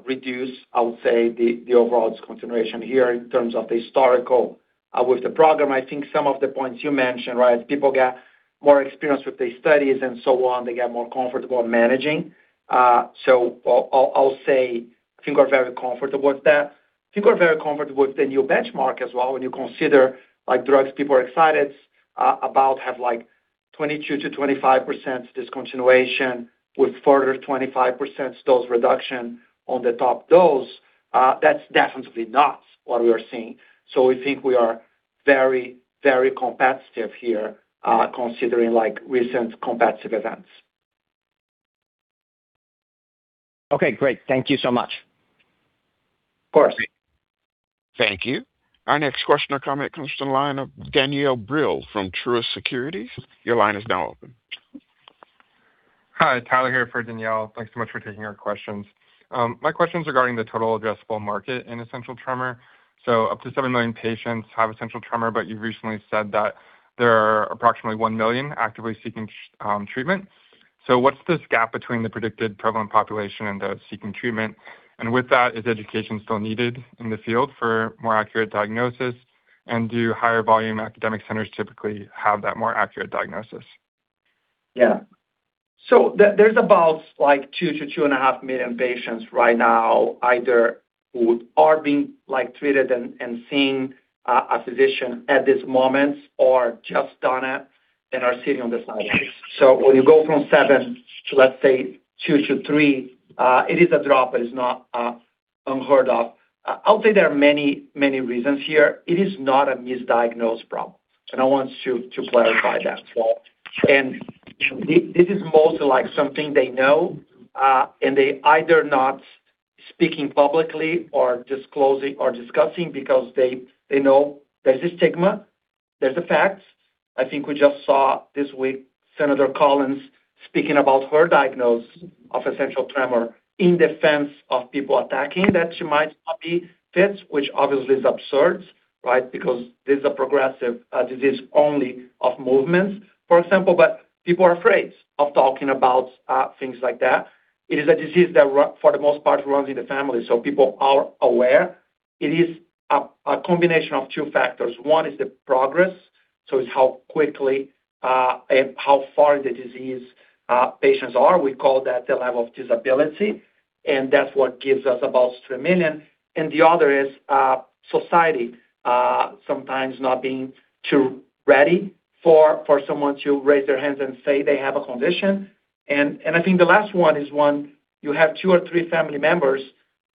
Speaker 3: reduced, I would say, the overall discontinuation here in terms of the historical with the program. I think some of the points you mentioned, right, people get more experience with these studies and so on. They get more comfortable managing. I'll say things are very comfortable with that. People are very comfortable with the new benchmark as well when you consider, like, drugs people are excited about have, like, 22%-25% discontinuation with further 25% dose reduction on the top dose. That's definitely not what we are seeing. We think we are very, very competitive here, considering, like, recent competitive events.
Speaker 15: Okay, great. Thank you so much.
Speaker 3: Of course.
Speaker 1: Thank you. Our next question or comment comes from the line of Danielle Brill from Truist Securities. Your line is now open.
Speaker 16: Hi, Tyler here for Danielle. Thanks so much for taking our questions. My question's regarding the total addressable market in essential tremor. Up to 7 million patients have essential tremor, but you've recently said that there are approximately 1 million actively seeking treatment. What's this gap between the predicted prevalent population and the seeking treatment? With that, is education still needed in the field for more accurate diagnosis? Do higher volume academic centers typically have that more accurate diagnosis?
Speaker 3: There's about 2 million-2.5 million patients right now either who are being treated and seeing a physician at this moment or just done it and are sitting on the side. When you go from 7 million to, let's say, 2 million-3 million, it is a drop, but it's not unheard of. I'll say there are many reasons here. It is not a misdiagnosed problem, and I want to clarify that as well. This is mostly something they know, and they either not speaking publicly or disclosing or discussing because they know there's a stigma. There's the facts. I think we just saw this week Susan Collins speaking about her diagnosis of essential tremor in defense of people attacking that she might not be fit, which obviously is absurd, right? This is a progressive disease only of movements, for example. People are afraid of talking about things like that. It is a disease that for the most part, runs in the family. People are aware. It is a combination of two factors. One is the progress. It's how quickly and how far the disease patients are. We call that the level of disability. That's what gives us about $2 million. The other is society sometimes not being too ready for someone to raise their hands and say they have a condition. I think the last one is one you have two or three family members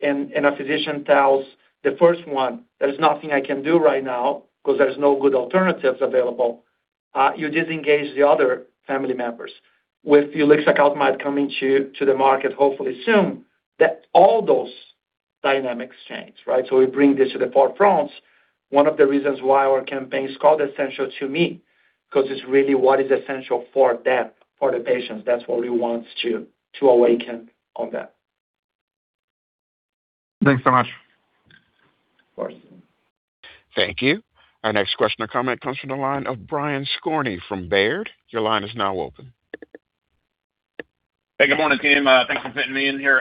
Speaker 3: and a physician tells the first one, "There's nothing I can do right now 'cause there's no good alternatives available." You disengage the other family members. With ulixacaltamide coming to the market hopefully soon, that all those dynamics change, right? We bring this to the forefront. One of the reasons why our campaign is called ESSENTIAL to me, because it's really what is essential for them, for the patients. That's what we want to awaken on that.
Speaker 16: Thanks so much.
Speaker 3: Of course.
Speaker 1: Thank you. Our next question or comment comes from the line of Brian Skorney from Baird. Your line is now open.
Speaker 17: Hey, good morning, team. Thanks for fitting me in here.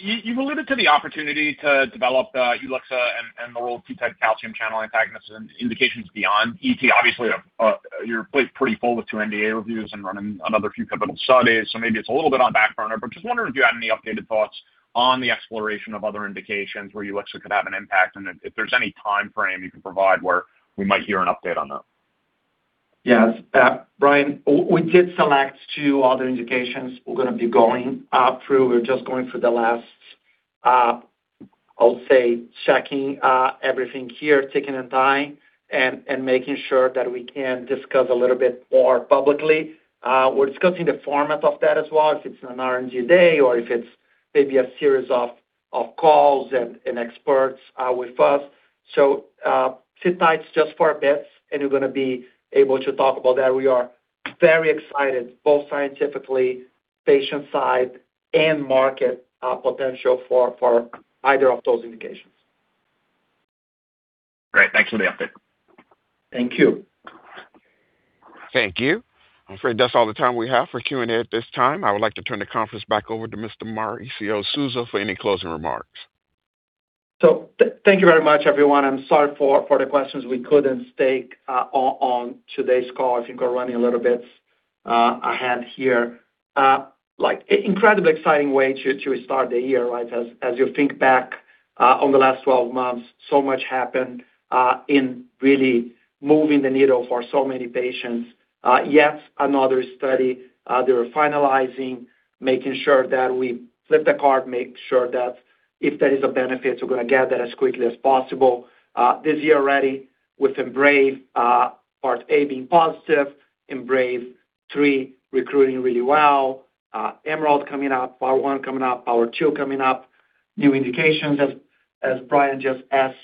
Speaker 17: You've alluded to the opportunity to develop ulixa and the role of T-type calcium channel antagonists and indications beyond ET. Obviously, your plate's pretty full with two NDA reviews and running another few pivotal studies, maybe it's a little bit on back burner. Just wondering if you had any updated thoughts on the exploration of other indications where ulixa could have an impact, and if there's any timeframe you can provide where we might hear an update on that.
Speaker 3: Yes. Brian, we did select two other indications we're gonna be going through. We're just going through the last, I'll say checking everything here, taking the time and making sure that we can discuss a little bit more publicly. We're discussing the format of that as well, if it's an R&D day or if it's maybe a series of calls and experts with us. Sit tight just for a bit, and we're gonna be able to talk about that. We are very excited both scientifically, patient side, and market potential for either of those indications.
Speaker 17: Great. Thanks for the update.
Speaker 3: Thank you.
Speaker 1: Thank you. I'm afraid that's all the time we have for Q&A at this time. I would like to turn the conference back over to Mr. Marcio Souza for any closing remarks.
Speaker 3: Thank you very much, everyone. I'm sorry for the questions we couldn't take on today's call. I think we're running a little bit ahead here. Like incredibly exciting way to start the year, right? As you think back on the last 12 months, so much happened in really moving the needle for so many patients. Yet another study they were finalizing, making sure that we flip the card, make sure that if there is a benefit, we're gonna get that as quickly as possible. This year already with EMBRAVE Part A being positive, EMBRAVE recruiting really well. EMERALD coming up, POWER1 coming up, POWER2 coming up. New indications as Brian just asked.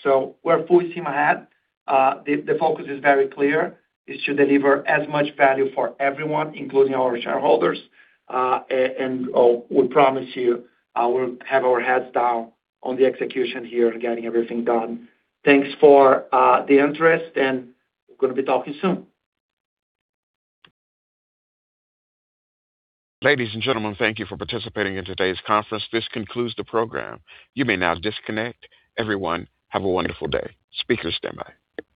Speaker 3: We're full steam ahead. The focus is very clear. It should deliver as much value for everyone, including our shareholders. And we promise you, we'll have our heads down on the execution here, getting everything done. Thanks for the interest and gonna be talking soon.
Speaker 1: Ladies and gentlemen, thank you for participating in today's conference. This concludes the program. You may now disconnect. Everyone, have a wonderful day. Speakers stand by.